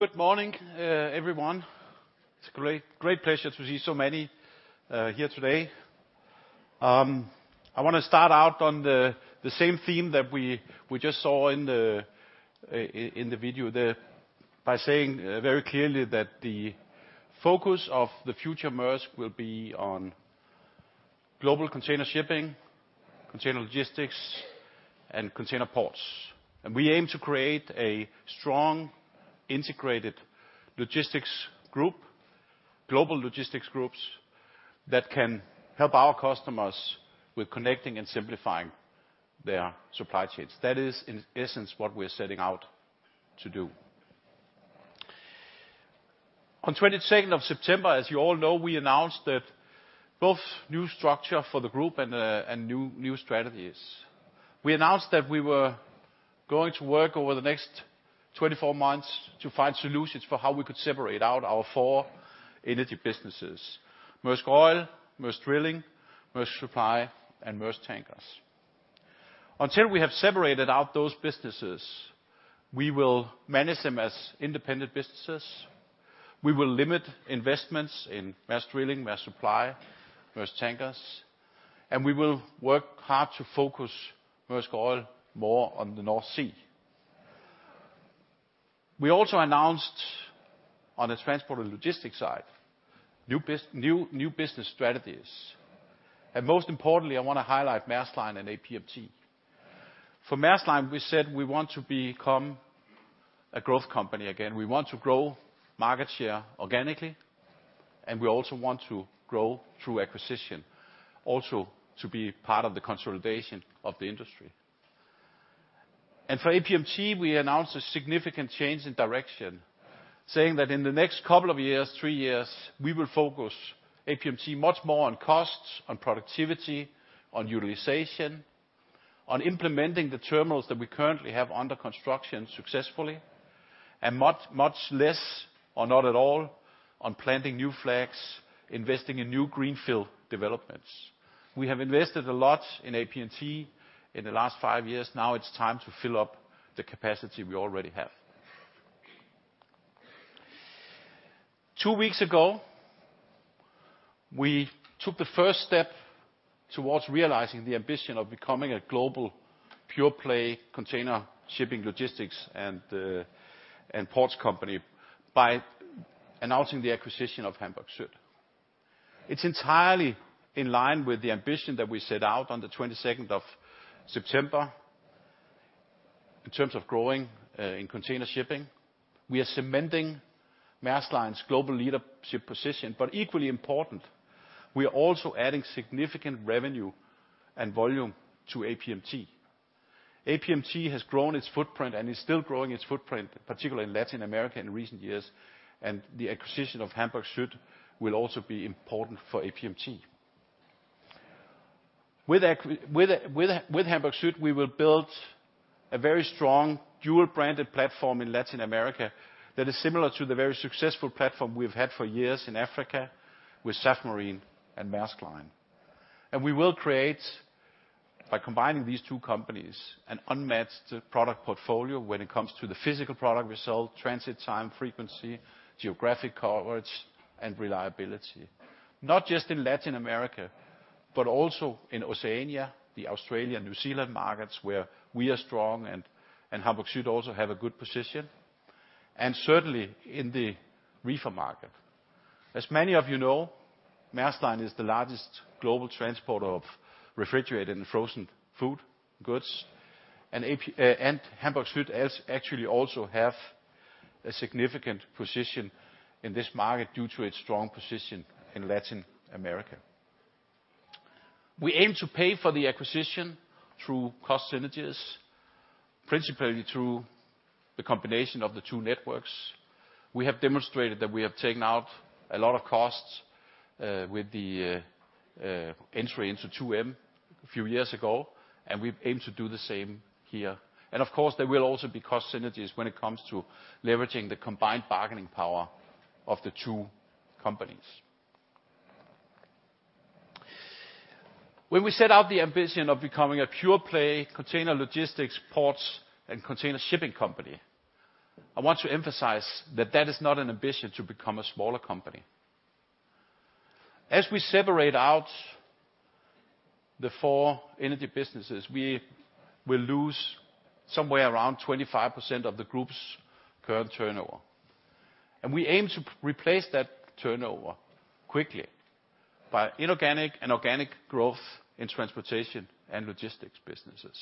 Good morning, everyone. It's a great pleasure to see so many here today. I wanna start out on the same theme that we just saw in the video there by saying very clearly that the focus of the future Maersk will be on global container shipping, container logistics, and container ports. We aim to create a strong, integrated logistics group, global logistics groups, that can help our customers with connecting and simplifying their supply chains. That is, in essence, what we're setting out to do. On 22nd of September, as you all know, we announced that both new structure for the group and new strategies. We announced that we were going to work over the next 24 months to find solutions for how we could separate out our four energy businesses, Maersk Oil, Maersk Drilling, Maersk Supply, and Maersk Tankers. Until we have separated out those businesses, we will manage them as independent businesses. We will limit investments in Maersk Drilling, Maersk Supply, Maersk Tankers, and we will work hard to focus Maersk Oil more on the North Sea. We also announced on the Transport & Logistics side, new business strategies. Most importantly, I wanna highlight Maersk Line and APMT. For Maersk Line, we said we want to become a growth company again. We want to grow market share organically, and we also want to grow through acquisition, also to be part of the consolidation of the industry. For APMT, we announced a significant change in direction, saying that in the next couple of years, three years, we will focus APMT much more on costs, on productivity, on utilization, on implementing the terminals that we currently have under construction successfully, and much, much less or not at all on planting new flags, investing in new greenfield developments. We have invested a lot in APMT in the last five years. Now it's time to fill up the capacity we already have. Two weeks ago, we took the first step towards realizing the ambition of becoming a global pure-play container shipping, logistics, and ports company by announcing the acquisition of Hamburg Süd. It's entirely in line with the ambition that we set out on the twenty-second of September in terms of growing in container shipping. We are cementing Maersk Line's global leadership position, but equally important, we are also adding significant revenue and volume to APMT. APMT has grown its footprint and is still growing its footprint, particularly in Latin America in recent years, and the acquisition of Hamburg Süd will also be important for APMT. With Hamburg Süd, we will build a very strong dual-branded platform in Latin America that is similar to the very successful platform we have had for years in Africa with Safmarine and Maersk Line. We will create, by combining these two companies, an unmatched product portfolio when it comes to the physical product result, transit time frequency, geographic coverage, and reliability, not just in Latin America, but also in Oceania, the Australian, New Zealand markets where we are strong and Hamburg Süd also have a good position, and certainly in the reefer market. As many of you know, Maersk Line is the largest global transporter of refrigerated and frozen food goods, and Hamburg Süd actually also has a significant position in this market due to its strong position in Latin America. We aim to pay for the acquisition through cost synergies, principally through the combination of the two networks. We have demonstrated that we have taken out a lot of costs with the entry into 2M a few years ago, and we aim to do the same here. Of course, there will also be cost synergies when it comes to leveraging the combined bargaining power of the two companies. When we set out the ambition of becoming a pure-play container logistics, ports, and container shipping company, I want to emphasize that that is not an ambition to become a smaller company. As we separate out the four energy businesses, we will lose somewhere around 25% of the group's current turnover. We aim to replace that turnover quickly by inorganic and organic growth in transportation and logistics businesses.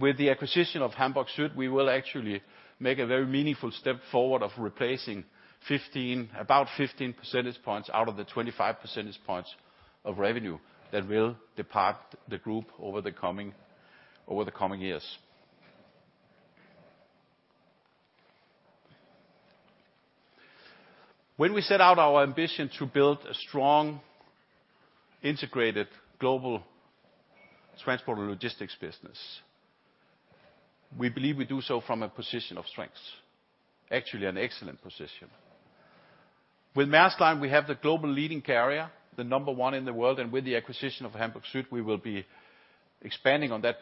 With the acquisition of Hamburg Süd, we will actually make a very meaningful step forward of replacing 15, about 15 percentage points out of the 25 percentage points of revenue that will depart the group over the coming years. When we set out our ambition to build a strong, integrated global transport and logistics business, we believe we do so from a position of strength, actually an excellent position. With Maersk Line, we have the global leading carrier, the number one in the world. With the acquisition of Hamburg Süd, we will be expanding on that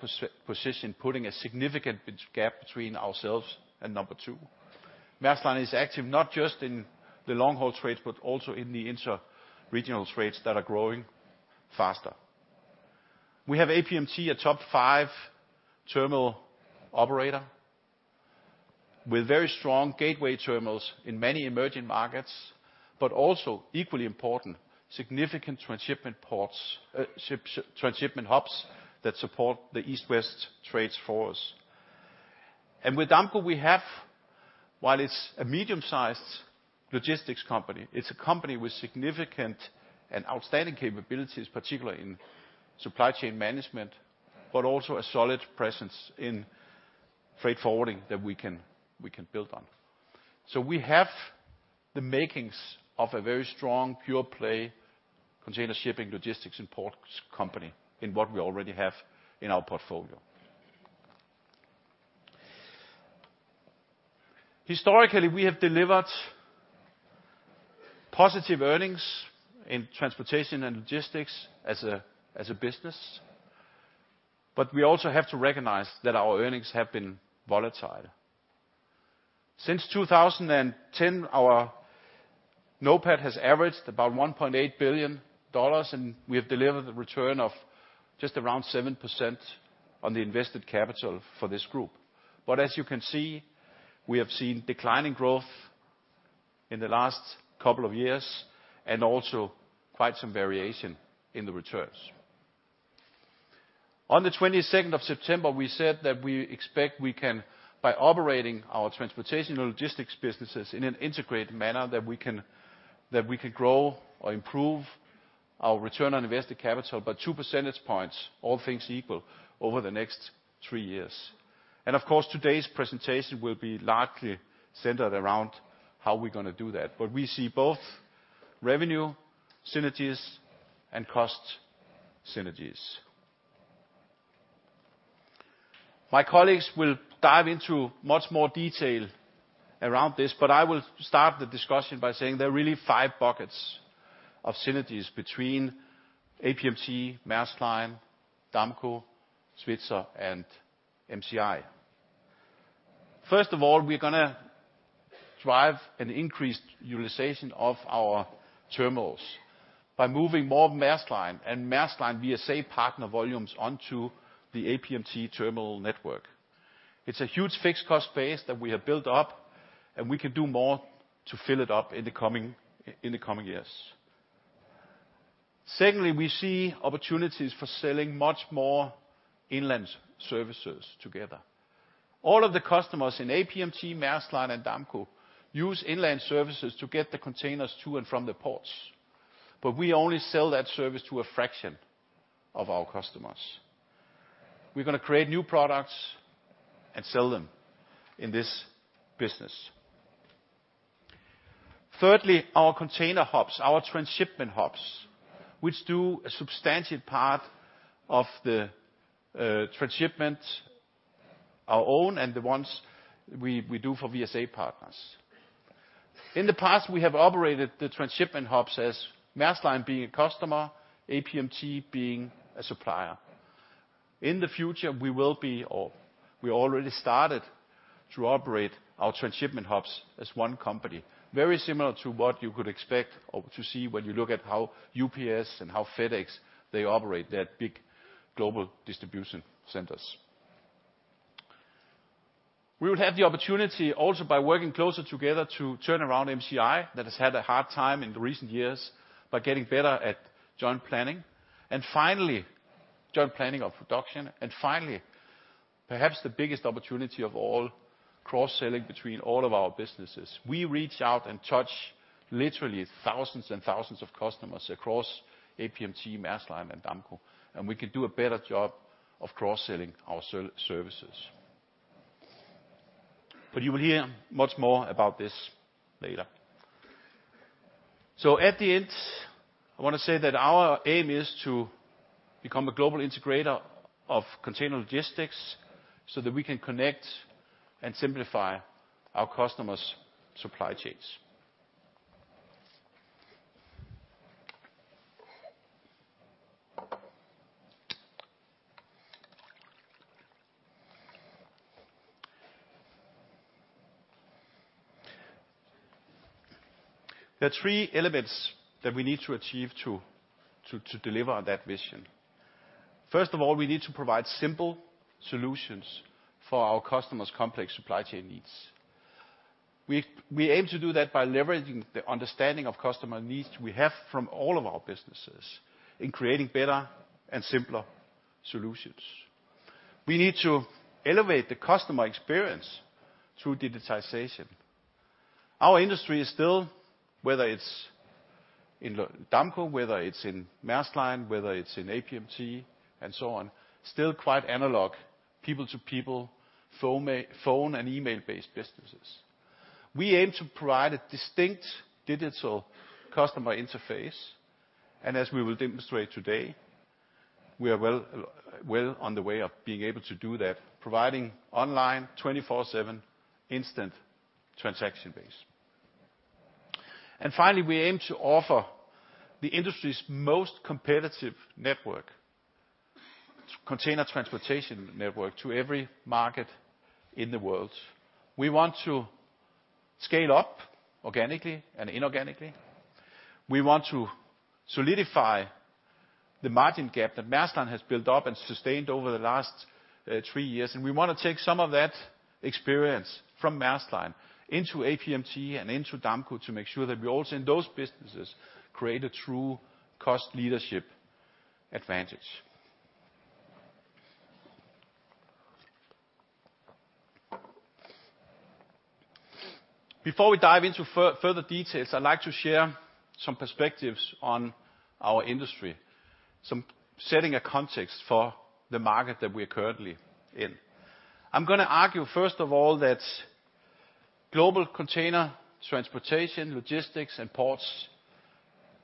position, putting a significant big gap between ourselves and number two. Maersk Line is active not just in the long-haul trades, but also in the intra-regional trades that are growing faster. We have APMT, a top five terminal operator with very strong gateway terminals in many emerging markets, but also equally important, significant transshipment ports, transshipment hubs that support the East-West trades for us. With Damco, we have, while it's a medium-sized logistics company, it's a company with significant and outstanding capabilities, particularly in supply chain management, but also a solid presence in freight forwarding that we can build on. We have the makings of a very strong pure play container shipping, logistics and ports company in what we already have in our portfolio. Historically, we have delivered positive earnings in transportation and logistics as a business, but we also have to recognize that our earnings have been volatile. Since 2010, our NOPAT has averaged about $1.8 billion, and we have delivered a return of just around 7% on the invested capital for this group. As you can see, we have seen declining growth in the last couple of years and also quite some variation in the returns. On September 22, we said that we expect we can, by operating our transportation and logistics businesses in an integrated manner, that we can grow or improve our return on invested capital by 2 percentage points, all things equal, over the next 3 years. Of course, today's presentation will be largely centered around how we're gonna do that. We see both revenue synergies and cost synergies. My colleagues will dive into much more detail around this, but I will start the discussion by saying there are really five buckets of synergies between APMT, Maersk Line, Damco, Svitzer, and MCI. First of all, we're gonna drive an increased utilization of our terminals by moving more Maersk Line and Maersk Line VSA partner volumes onto the APMT terminal network. It's a huge fixed cost base that we have built up, and we can do more to fill it up in the coming years. Secondly, we see opportunities for selling much more inland services together. All of the customers in APMT, Maersk Line, and Damco use inland services to get the containers to and from the ports. We only sell that service to a fraction of our customers. We're gonna create new products and sell them in this business. Thirdly, our container hubs, our transshipment hubs, which do a substantial part of the transshipment, our own and the ones we do for VSA partners. In the past, we have operated the transshipment hubs as Maersk Line being a customer, APMT being a supplier. In the future, we will be, or we already started to operate our transshipment hubs as one company, very similar to what you could expect or to see when you look at how UPS and how FedEx, they operate their big global distribution centers. We will have the opportunity also by working closer together to turn around MCI, that has had a hard time in the recent years, by getting better at joint planning. Finally, joint planning of production. Finally, perhaps the biggest opportunity of all, cross-selling between all of our businesses. We reach out and touch literally thousands and thousands of customers across APMT, Maersk Line, and Damco, and we can do a better job of cross-selling our services. You will hear much more about this later. At the end, I wanna say that our aim is to become a global integrator of container logistics so that we can connect and simplify our customers' supply chains. There are three elements that we need to achieve to deliver on that vision. First of all, we need to provide simple solutions for our customers' complex supply chain needs. We aim to do that by leveraging the understanding of customer needs we have from all of our businesses in creating better and simpler solutions. We need to elevate the customer experience through digitization. Our industry is still, whether it's in Damco, whether it's in Maersk Line, whether it's in APMT, and so on, still quite analog, people-to-people, phone and email-based businesses. We aim to provide a distinct digital customer interface, and as we will demonstrate today. We are well on the way of being able to do that, providing online 24/7 instant transaction-based. Finally, we aim to offer the industry's most competitive network, container transportation network, to every market in the world. We want to scale up organically and inorganically. We want to solidify the margin gap that Maersk Line has built up and sustained over the last three years, and we want to take some of that experience from Maersk Line into APMT and into Damco to make sure that we also, in those businesses, create a true cost leadership advantage. Before we dive into further details, I'd like to share some perspectives on our industry, some setting a context for the market that we are currently in. I'm gonna argue, first of all, that global container transportation, logistics, and ports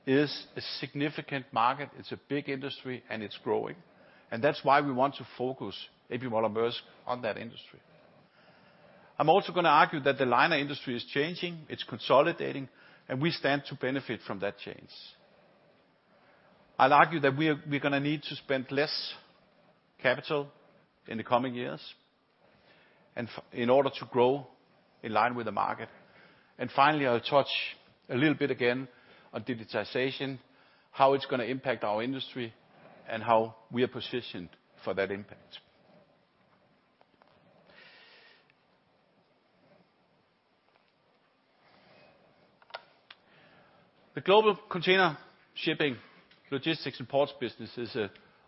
is a significant market. It's a big industry, and it's growing. That's why we want to focus A.P. Møller - Mærsk on that industry. I'm also gonna argue that the liner industry is changing, it's consolidating, and we stand to benefit from that change. I'll argue that we're gonna need to spend less capital in the coming years in order to grow in line with the market. Finally, I'll touch a little bit again on digitization, how it's gonna impact our industry, and how we are positioned for that impact. The global container shipping, logistics, and ports business is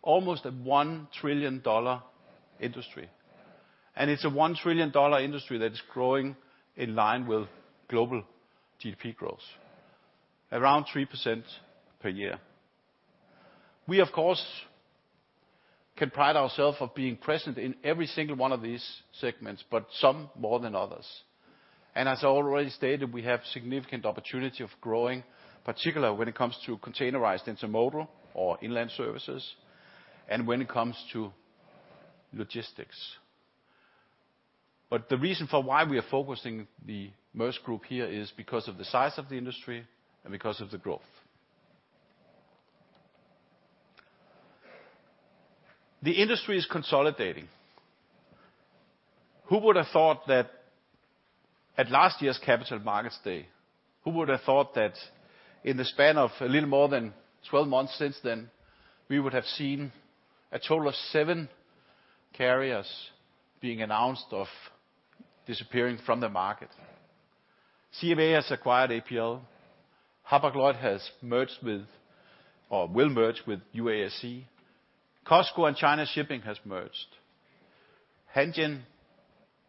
almost a $1 trillion industry. It's a $1 trillion industry that is growing in line with global GDP growth, around 3% per year. We, of course, can pride ourself of being present in every single one of these segments, but some more than others. As I already stated, we have significant opportunity of growing, particularly when it comes to containerized intermodal or inland services and when it comes to logistics. The reason for why we are focusing the Maersk Group here is because of the size of the industry and because of the growth. The industry is consolidating. Who would have thought that at last year's Capital Markets Day, who would have thought that in the span of a little more than 12 months since then, we would have seen a total of 7 carriers being announced of disappearing from the market? CMA has acquired APL. Hapag-Lloyd has merged with, or will merge with UASC. COSCO and China Shipping has merged. Hanjin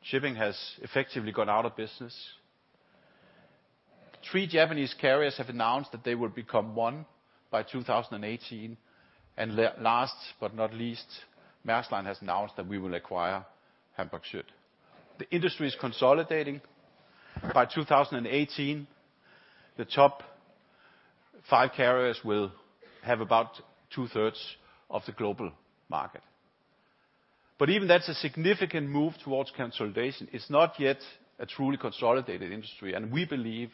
Shipping has effectively gone out of business. Three Japanese carriers have announced that they will become one by 2018. Last but not least, Maersk Line has announced that we will acquire Hamburg Süd. The industry is consolidating. By 2018, the top five carriers will have about two-thirds of the global market. Even that's a significant move towards consolidation. It's not yet a truly consolidated industry, and we believe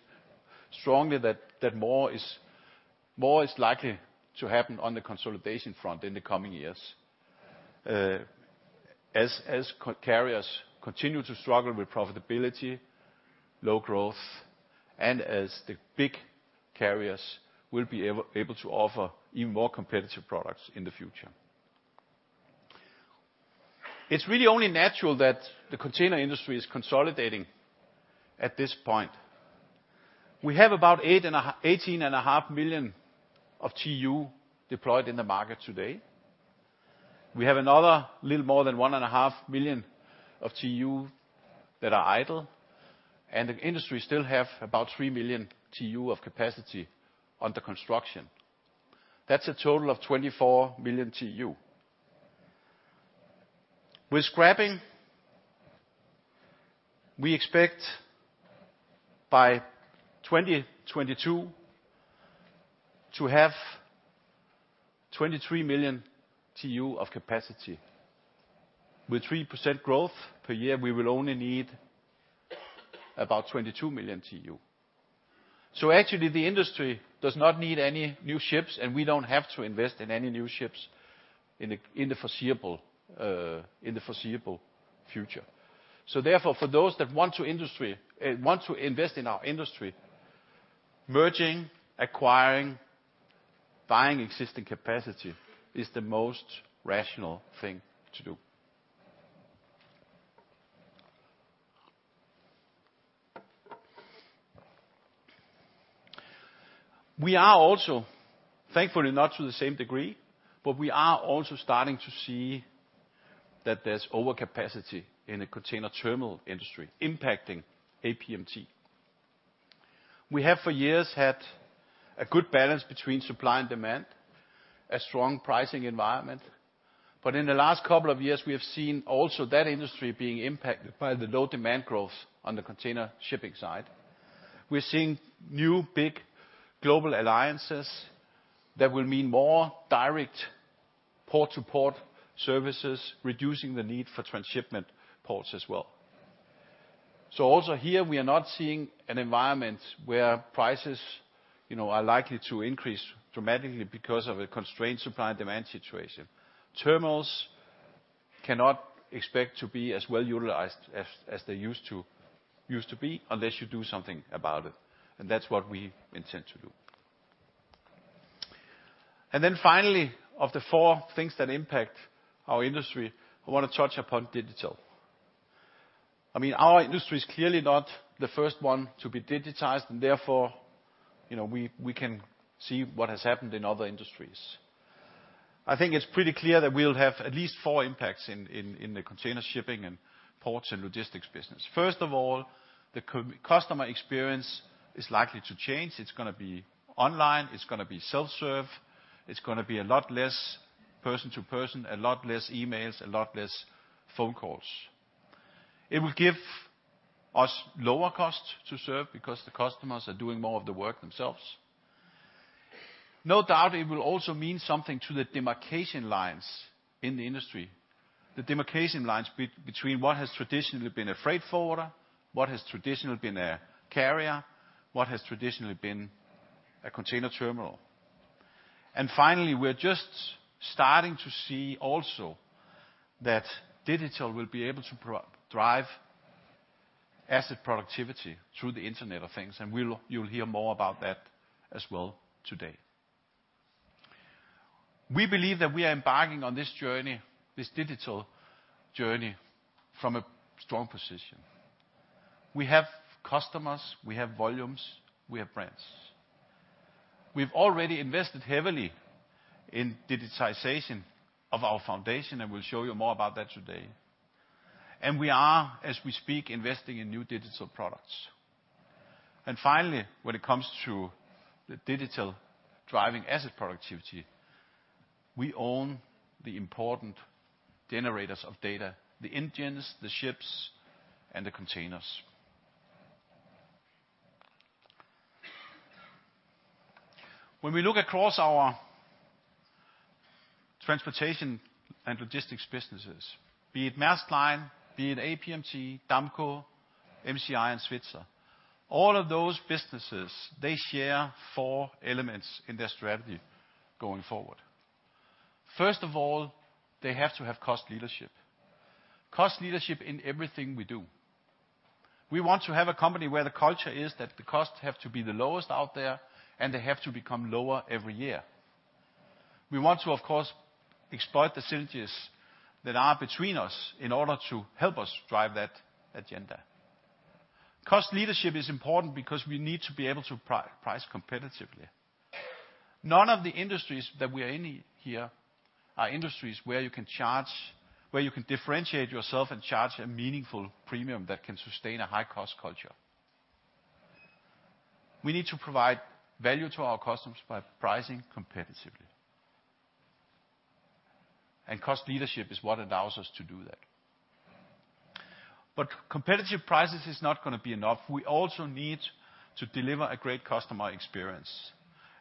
strongly that more is likely to happen on the consolidation front in the coming years, as carriers continue to struggle with profitability, low growth, and as the big carriers will be able to offer even more competitive products in the future. It's really only natural that the container industry is consolidating at this point. We have about 18.5 million TEU deployed in the market today. We have another little more than 1.5 million TEU that are idle, and the industry still have about 3 million TEU of capacity under construction. That's a total of 24 million TEU. With scrapping, we expect by 2022 to have 23 million TEU of capacity. With 3% growth per year, we will only need about 22 million TEU. Actually, the industry does not need any new ships, and we don't have to invest in any new ships in the foreseeable future. Therefore, for those that want to invest in our industry, merging, acquiring, buying existing capacity is the most rational thing to do. We are also, thankfully not to the same degree, but we are also starting to see that there's overcapacity in the container terminal industry impacting APMT. We have for years had a good balance between supply and demand, a strong pricing environment, but in the last couple of years, we have seen also that industry being impacted by the low demand growth on the container shipping side. We're seeing new big global alliances that will mean more direct port-to-port services, reducing the need for transshipment ports as well. Also here, we are not seeing an environment where prices, you know, are likely to increase dramatically because of a constrained supply and demand situation. Terminals cannot expect to be as well utilized as they used to be unless you do something about it, and that's what we intend to do. Finally, of the four things that impact our industry, I wanna touch upon digital. I mean, our industry is clearly not the first one to be digitized and therefore, you know, we can see what has happened in other industries. I think it's pretty clear that we'll have at least four impacts in the container shipping and ports and logistics business. First of all, the customer experience is likely to change. It's gonna be online, it's gonna be self-serve, it's gonna be a lot less person to person, a lot less emails, a lot less phone calls. It will give us lower costs to serve because the customers are doing more of the work themselves. No doubt, it will also mean something to the demarcation lines in the industry. The demarcation lines between what has traditionally been a freight forwarder, what has traditionally been a carrier, what has traditionally been a container terminal. Finally, we're just starting to see also that digital will be able to provide asset productivity through the Internet of Things, and we'll, you'll hear more about that as well today. We believe that we are embarking on this journey, this digital journey, from a strong position. We have customers, we have volumes, we have brands. We've already invested heavily in digitization of our foundation, and we'll show you more about that today. We are, as we speak, investing in new digital products. Finally, when it comes to the digital driving asset productivity, we own the important generators of data, the engines, the ships, and the containers. When we look across our transportation and logistics businesses, be it Maersk Line, be it APMT, Damco, MCI, and Svitzer, all of those businesses, they share four elements in their strategy going forward. First of all, they have to have cost leadership. Cost leadership in everything we do. We want to have a company where the culture is that the costs have to be the lowest out there, and they have to become lower every year. We want to, of course, exploit the synergies that are between us in order to help us drive that agenda. Cost leadership is important because we need to be able to price competitively. None of the industries that we are in here are industries where you can differentiate yourself and charge a meaningful premium that can sustain a high cost culture. We need to provide value to our customers by pricing competitively. Cost leadership is what allows us to do that. Competitive prices is not gonna be enough. We also need to deliver a great customer experience.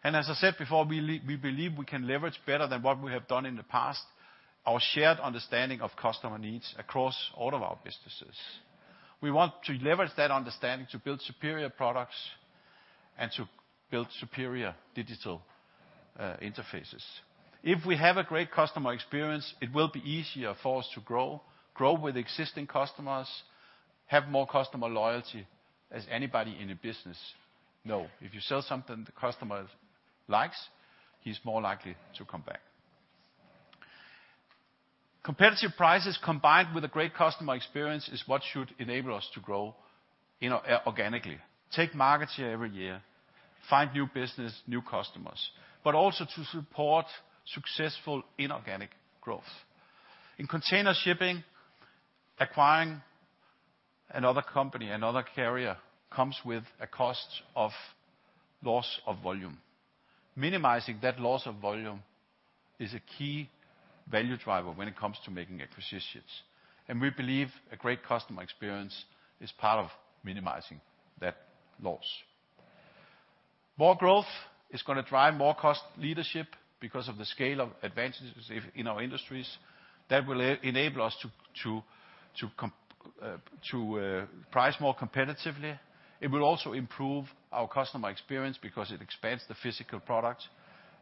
As I said before, we believe we can leverage better than what we have done in the past, our shared understanding of customer needs across all of our businesses. We want to leverage that understanding to build superior products and to build superior digital, interfaces. If we have a great customer experience, it will be easier for us to grow with existing customers, have more customer loyalty. As anybody in the business know, if you sell something the customer likes, he's more likely to come back. Competitive prices combined with a great customer experience is what should enable us to grow inorganically, take market share every year, find new business, new customers, but also to support successful inorganic growth. In container shipping, acquiring another company, another carrier, comes with a cost of loss of volume. Minimizing that loss of volume is a key value driver when it comes to making acquisitions, and we believe a great customer experience is part of minimizing that loss. More growth is gonna drive more cost leadership because of the scale of advantages in our industries that will enable us to price more competitively. It will also improve our customer experience because it expands the physical product,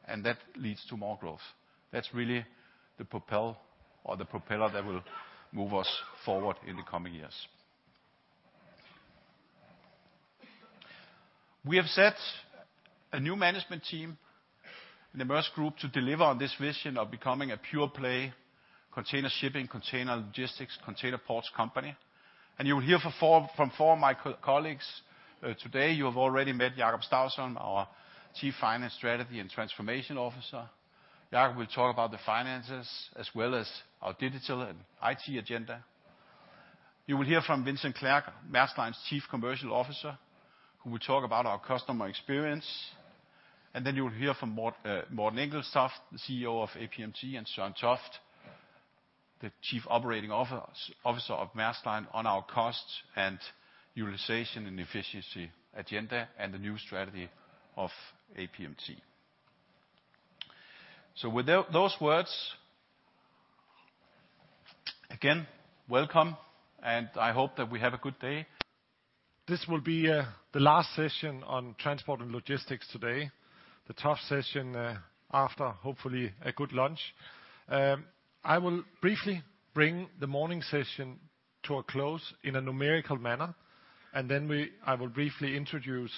and that leads to more growth. That's really the propel or the propeller that will move us forward in the coming years. We have set a new management team in the Maersk group to deliver on this vision of becoming a pure play container shipping, container logistics, container ports company. You will hear from four of my colleagues today. You have already met Jakob Stausholm, our Chief Finance Strategy and Transformation Officer. Jakob will talk about the finances as well as our digital and IT agenda. You will hear from Vincent Clerc, Maersk Line's Chief Commercial Officer, who will talk about our customer experience. You will hear from Morten Engelstoft, the CEO of APMT, and Søren Toft. The Chief Operating Officer of Maersk Line on our costs and utilization and efficiency agenda and the new strategy of APMT. With those words, again, welcome, and I hope that we have a good day. This will be the last session on Transport and Logistics today, the tough session after, hopefully, a good lunch. I will briefly bring the morning session to a close in a numerical manner, and then I will briefly introduce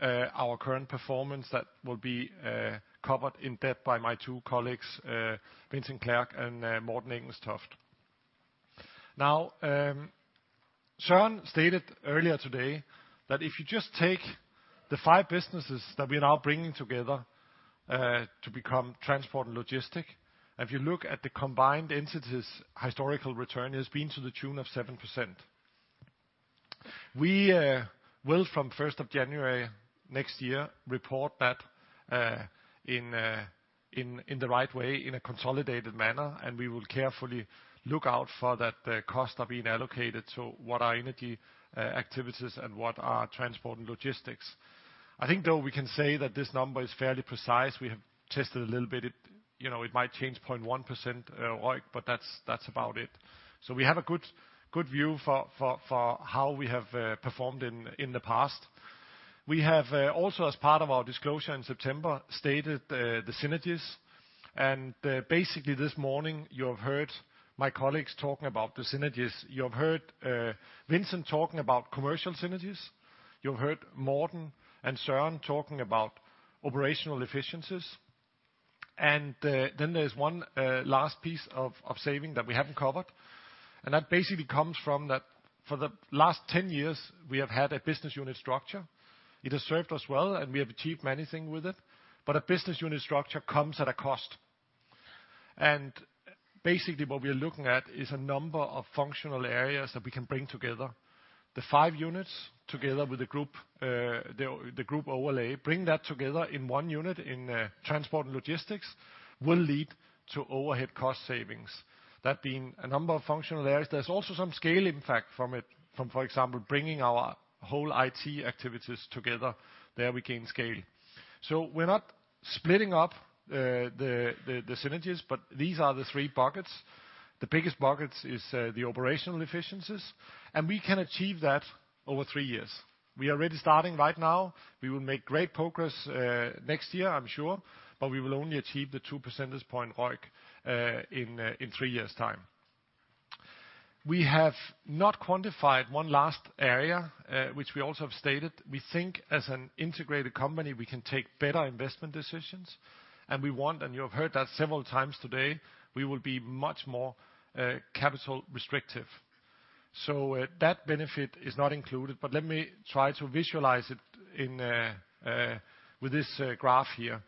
our current performance that will be covered in depth by my two colleagues, Vincent Clerc and Morten Engelstoft. Now, Søren stated earlier today that if you just take the five businesses that we are now bringing together to become Transport and Logistics, if you look at the combined entities' historical return, it has been to the tune of 7%. We will from first of January next year report that in the right way, in a consolidated manner, and we will carefully look out for that the costs are being allocated to what are energy activities and what are transport and logistics. I think, though, we can say that this number is fairly precise. We have tested a little bit. It, you know, it might change 0.1% ROIC, but that's about it. We have a good view for how we have performed in the past. We have also as part of our disclosure in September stated the synergies, and basically this morning you have heard my colleagues talking about the synergies. You have heard Vincent talking about commercial synergies. You have heard Morten and Søren talking about operational efficiencies. There's one last piece of savings that we haven't covered, and that basically comes from the fact that for the last 10 years we have had a business unit structure. It has served us well, and we have achieved many things with it, but a business unit structure comes at a cost. Basically what we are looking at is a number of functional areas that we can bring together. The five units together with the group, the group overlay, bring that together in one unit in Transport & Logistics, will lead to overhead cost savings. That being a number of functional areas, there's also some scale, in fact, from it. For example, bringing our whole IT activities together. There we gain scale. We're not splitting up the synergies, but these are the three buckets. The biggest buckets is the operational efficiencies, and we can achieve that over three years. We are already starting right now. We will make great progress next year, I'm sure, but we will only achieve the two percentage point ROIC in three years' time. We have not quantified one last area, which we also have stated. We think as an integrated company, we can take better investment decisions, and we want, and you have heard that several times today, we will be much more capital restrictive. That benefit is not included, but let me try to visualize it in with this graph here.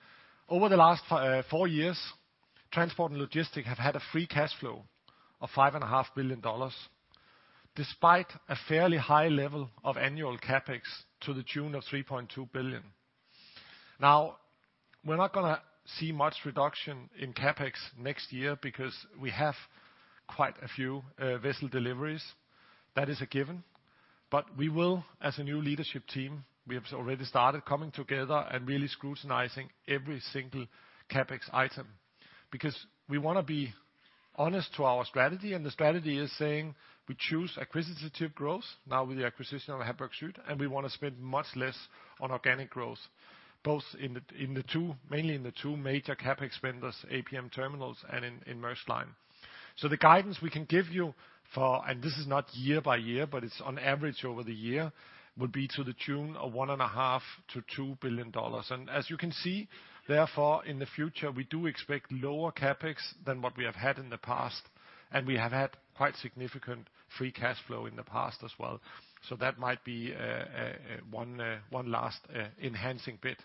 Over the last four years, Transport & Logistics have had a free cash flow of $5.5 billion, despite a fairly high level of annual CapEx to the tune of $3.2 billion. Now, we're not gonna see much reduction in CapEx next year because we have quite a few vessel deliveries. That is a given. We will, as a new leadership team, we have already started coming together and really scrutinizing every single CapEx item because we wanna be honest to our strategy, and the strategy is saying we choose acquisitive growth, now with the acquisition of Hamburg Süd, and we wanna spend much less on organic growth, both in the two, mainly in the two major CapEx spenders, APM Terminals and in Maersk Line. The guidance we can give you for, and this is not year by year, but it's on average over the year, would be to the tune of $1.5 billion-$2 billion. As you can see, therefore, in the future, we do expect lower CapEx than what we have had in the past, and we have had quite significant free cash flow in the past as well. That might be one last enhancing bit.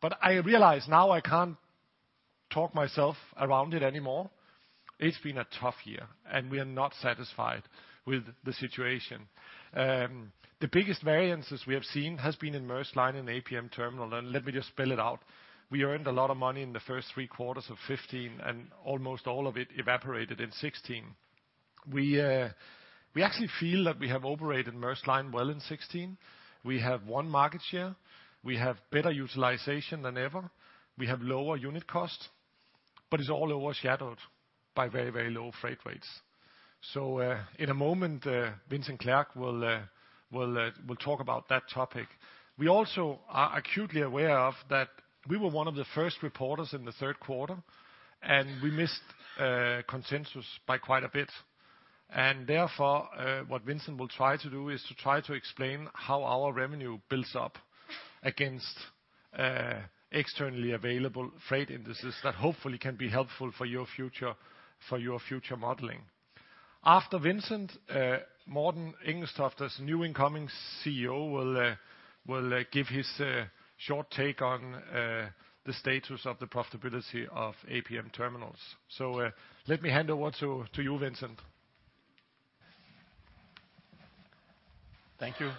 But I realize now I can't talk myself around it anymore. It's been a tough year, and we are not satisfied with the situation. The biggest variances we have seen has been in Maersk Line and APM Terminals, and let me just spell it out. We earned a lot of money in the first three quarters of 2015, and almost all of it evaporated in 2016. We actually feel that we have operated Maersk Line well in 2016. We have won market share. We have better utilization than ever. We have lower unit cost. It's all overshadowed by very, very low freight rates. In a moment, Vincent Clerc will talk about that topic. We also are acutely aware that we were one of the first reporters in the third quarter, and we missed consensus by quite a bit. Therefore, what Vincent will try to do is to try to explain how our revenue builds up against externally available freight indices that hopefully can be helpful for your future modeling. After Vincent, Morten Engelstoft, as new incoming CEO, will give his short take on the status of the profitability of APM Terminals. Let me hand over to you, Vincent. Thank you.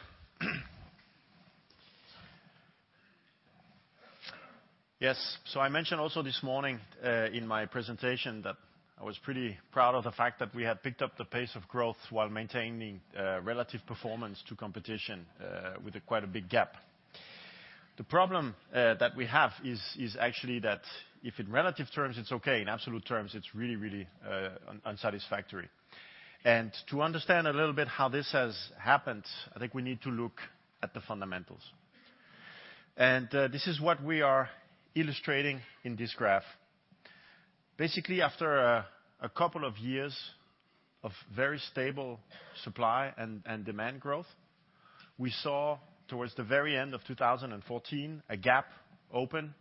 I mentioned also this morning in my presentation that I was pretty proud of the fact that we have picked up the pace of growth while maintaining relative performance to competition with quite a big gap. The problem that we have is actually that if in relative terms it's okay, in absolute terms it's really unsatisfactory. To understand a little bit how this has happened, I think we need to look at the fundamentals. This is what we are illustrating in this graph. Basically, after a couple of years of very stable supply and demand growth, we saw towards the very end of 2014 a gap open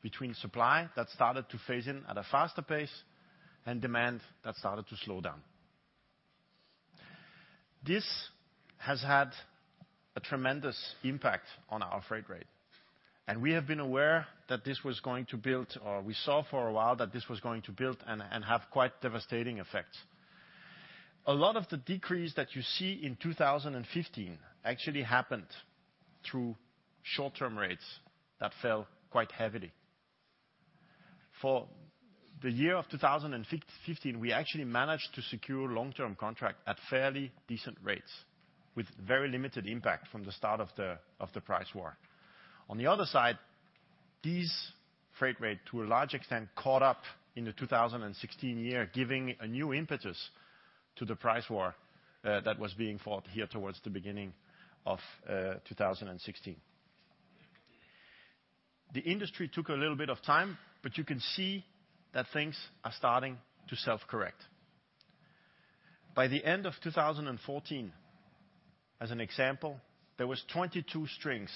between supply that started to phase in at a faster pace and demand that started to slow down. This has had a tremendous impact on our freight rates, and we have been aware that this was going to build, or we saw for a while that this was going to build and have quite devastating effects. A lot of the decrease that you see in 2015 actually happened through short-term rates that fell quite heavily. For the year of 2015, we actually managed to secure long-term contracts at fairly decent rates with very limited impact from the start of the price war. On the other side, these freight rates, to a large extent, caught up in 2016, giving a new impetus to the price war that was being fought here towards the beginning of 2016. The industry took a little bit of time, but you can see that things are starting to self-correct. By the end of 2014, as an example, there was 22 strings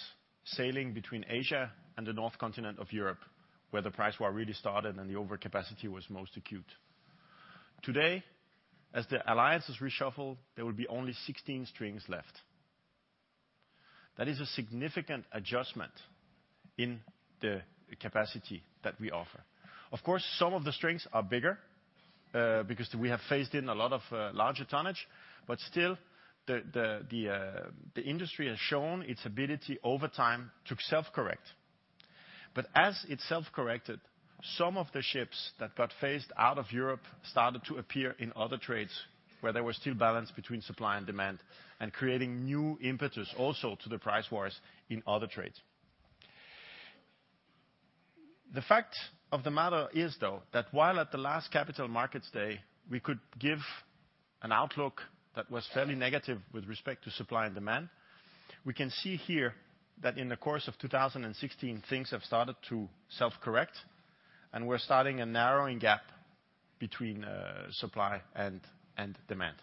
sailing between Asia and the Northern Europe, where the price war really started and the overcapacity was most acute. Today, as the alliances reshuffle, there will be only 16 strings left. That is a significant adjustment in the capacity that we offer. Of course, some of the strings are bigger, because we have phased in a lot of larger tonnage, but still the industry has shown its ability over time to self-correct. As it self-corrected, some of the ships that got phased out of Europe started to appear in other trades where there was still balance between supply and demand and creating new impetus also to the price wars in other trades. The fact of the matter is, though, that while at the last Capital Markets Day, we could give an outlook that was fairly negative with respect to supply and demand, we can see here that in the course of 2016 things have started to self-correct, and we're starting a narrowing gap between supply and demand.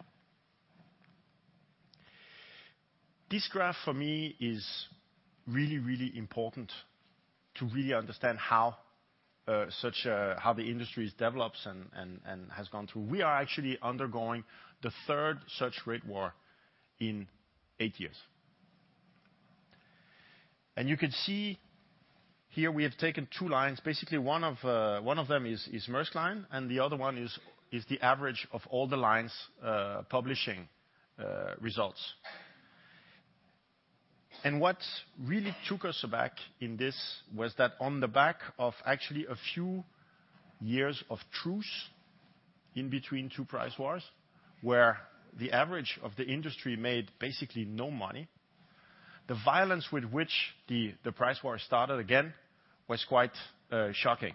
This graph for me is really important to really understand how the industry develops and has gone through. We are actually undergoing the third such rate war in eight years. You can see here we have taken two lines. Basically, one of them is Maersk Line, and the other one is the average of all the lines publishing results. What really took us aback in this was that on the back of actually a few years of truce in between two price wars, where the average of the industry made basically no money, the violence with which the price war started again was quite shocking.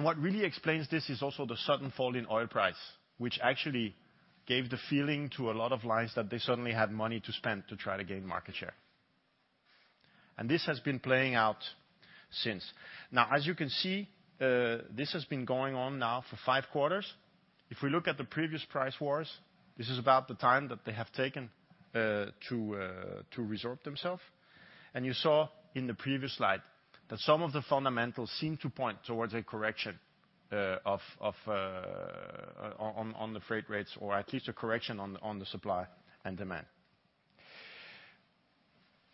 What really explains this is also the sudden fall in oil price, which actually gave the feeling to a lot of lines that they suddenly had money to spend to try to gain market share. This has been playing out since. Now, as you can see, this has been going on now for five quarters. If we look at the previous price wars, this is about the time that they have taken to resort themselves. You saw in the previous slide that some of the fundamentals seem to point towards a correction on the freight rates, or at least a correction on the supply and demand.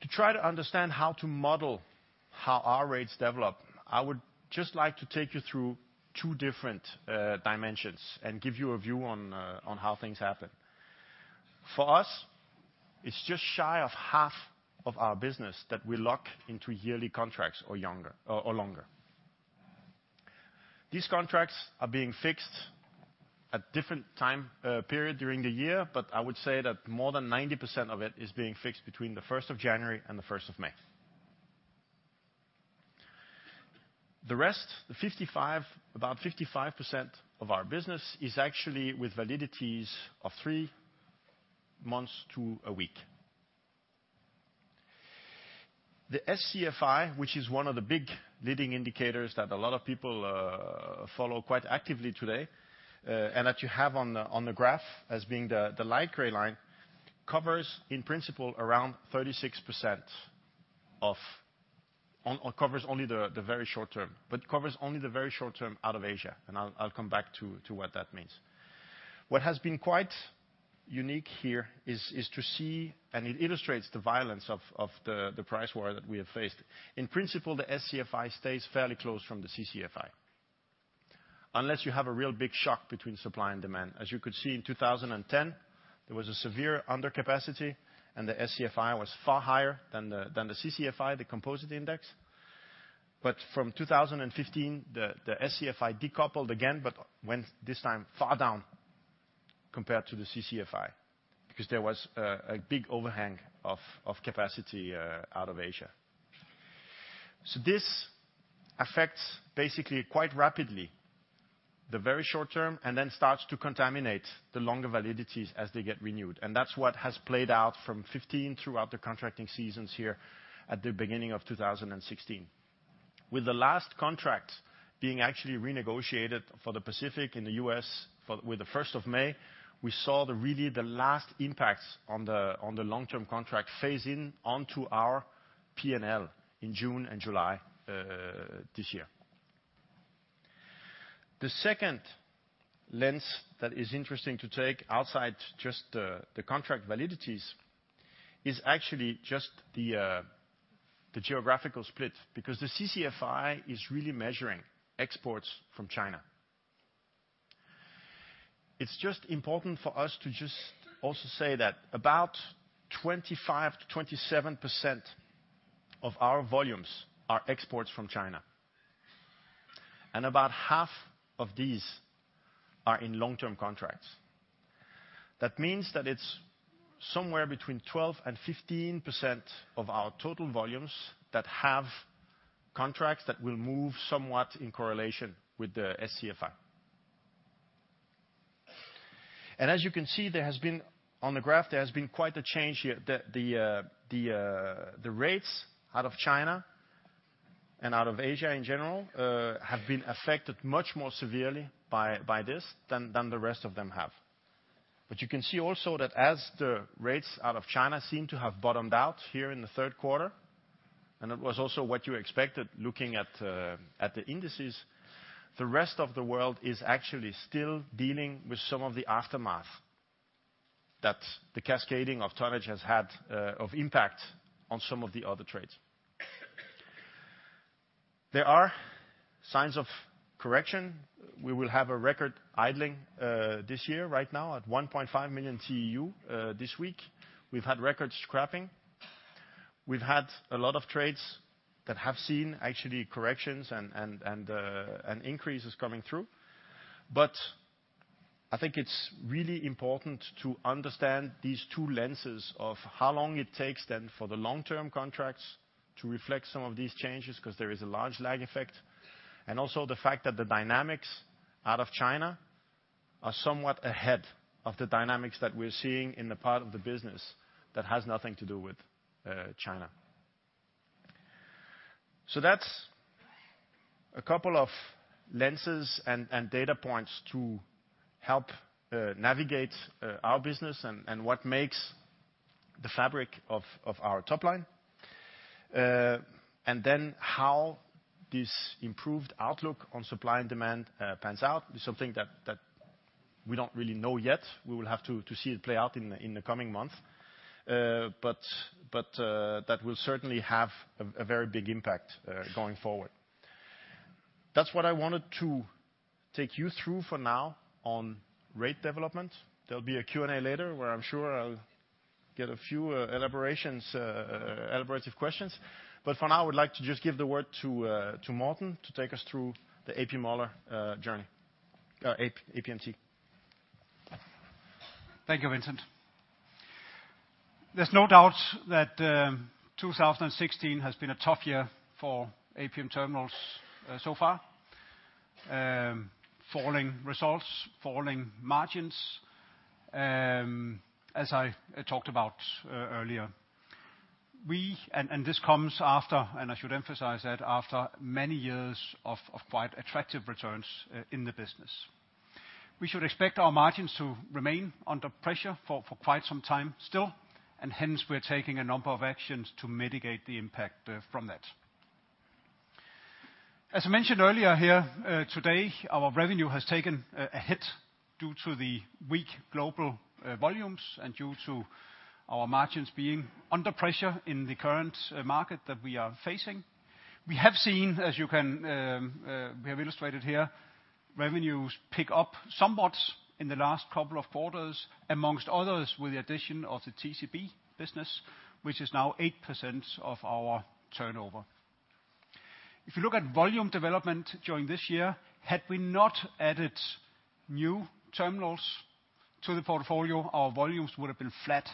To try to understand how to model how our rates develop, I would just like to take you through two different dimensions and give you a view on how things happen. For us, it's just shy of half of our business that we lock into yearly contracts or longer. These contracts are being fixed at different time periods during the year, but I would say that more than 90% of it is being fixed between the first of January and the first of May. The rest, about 55% of our business is actually with validities of three months to a week. The SCFI, which is one of the big leading indicators that a lot of people follow quite actively today, and that you have on the graph as the light gray line, covers in principle only the very short term out of Asia. I'll come back to what that means. What has been quite unique here is to see, and it illustrates the violence of the price war that we have faced. In principle, the SCFI stays fairly close from the CCFI. Unless you have a real big shock between supply and demand. As you could see in 2010, there was a severe undercapacity, and the SCFI was far higher than the CCFI, the composite index. From 2015, the SCFI decoupled again, but went this time far down compared to the CCFI because there was a big overhang of capacity out of Asia. This affects basically quite rapidly the very short term and then starts to contaminate the longer validities as they get renewed. That's what has played out from 15 throughout the contracting seasons here at the beginning of 2016. With the last contract being actually renegotiated for the Pacific in the US with the first of May, we saw the last impacts on the long-term contract phase in onto our P&L in June and July this year. The second lens that is interesting to take outside just the contract validities is actually just the geographical split because the CCFI is really measuring exports from China. It's just important for us to just also say that about 25%-27% of our volumes are exports from China, and about half of these are in long-term contracts. That means that it's somewhere between 12% and 15% of our total volumes that have contracts that will move somewhat in correlation with the SCFI. As you can see, on the graph, there has been quite a change here. The rates out of China and out of Asia in general have been affected much more severely by this than the rest of them have. You can see also that as the rates out of China seem to have bottomed out here in the third quarter, and it was also what you expected looking at the indices, the rest of the world is actually still dealing with some of the aftermath that the cascading of tonnage has had an impact on some of the other trades. There are signs of correction. We will have a record idling this year right now at 1.5 million TEU this week. We've had record scrapping. We've had a lot of trades that have seen actually corrections and increases coming through. I think it's really important to understand these two lenses of how long it takes then for the long-term contracts to reflect some of these changes because there is a large lag effect and also the fact that the dynamics out of China are somewhat ahead of the dynamics that we're seeing in the part of the business that has nothing to do with China. That's a couple of lenses and data points to help navigate our business and what makes the fabric of our top line. How this improved outlook on supply and demand pans out is something that we don't really know yet. We will have to see it play out in the coming months. That will certainly have a very big impact going forward. That's what I wanted to take you through for now on rate development. There'll be a Q&A later where I'm sure I'll get a few elaborative questions. For now, I would like to just give the word to Morten to take us through the A.P. Møller journey. A.P., APMT. Thank you, Vincent. There's no doubt that 2016 has been a tough year for APM Terminals so far. Falling results, falling margins, as I talked about earlier. This comes after, and I should emphasize that, after many years of quite attractive returns in the business. We should expect our margins to remain under pressure for quite some time still, and hence we're taking a number of actions to mitigate the impact from that. As I mentioned earlier here today, our revenue has taken a hit due to the weak global volumes and due to our margins being under pressure in the current market that we are facing. We have seen, as you can, we have illustrated here, revenues pick up somewhat in the last couple of quarters, among others, with the addition of the TCB business, which is now 8% of our turnover. If you look at volume development during this year, had we not added new terminals to the portfolio, our volumes would have been flat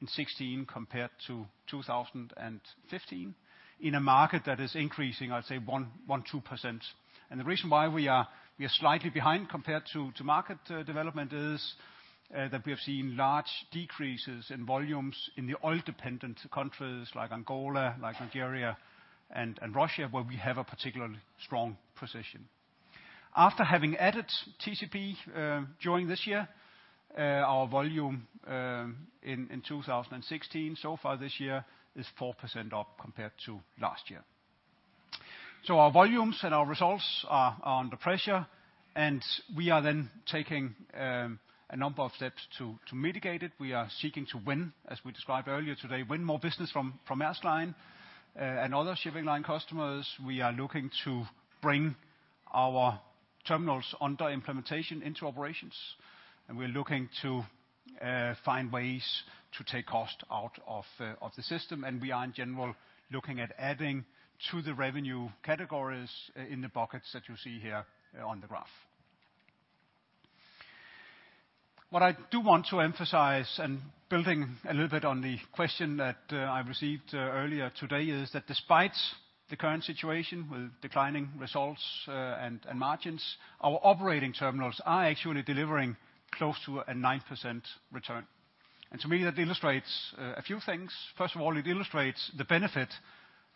in 2016 compared to 2015 in a market that is increasing, I'd say 1%-2%. The reason why we are slightly behind compared to market development is that we have seen large decreases in volumes in the oil-dependent countries like Angola, like Nigeria and Russia, where we have a particularly strong position. After having added TCB during this year, our volume in 2016 so far this year is 4% up compared to last year. Our volumes and our results are under pressure, and we are taking a number of steps to mitigate it. We are seeking to win, as we described earlier today, more business from Maersk Line and other shipping line customers. We are looking to bring our terminals under implementation into operations, and we're looking to find ways to take cost out of the system, and we are in general looking at adding to the revenue categories in the buckets that you see here on the graph. What I do want to emphasize, building a little bit on the question that I received earlier today, is that despite the current situation with declining results and margins, our operating terminals are actually delivering close to a 9% return. To me, that illustrates a few things. First of all, it illustrates the benefit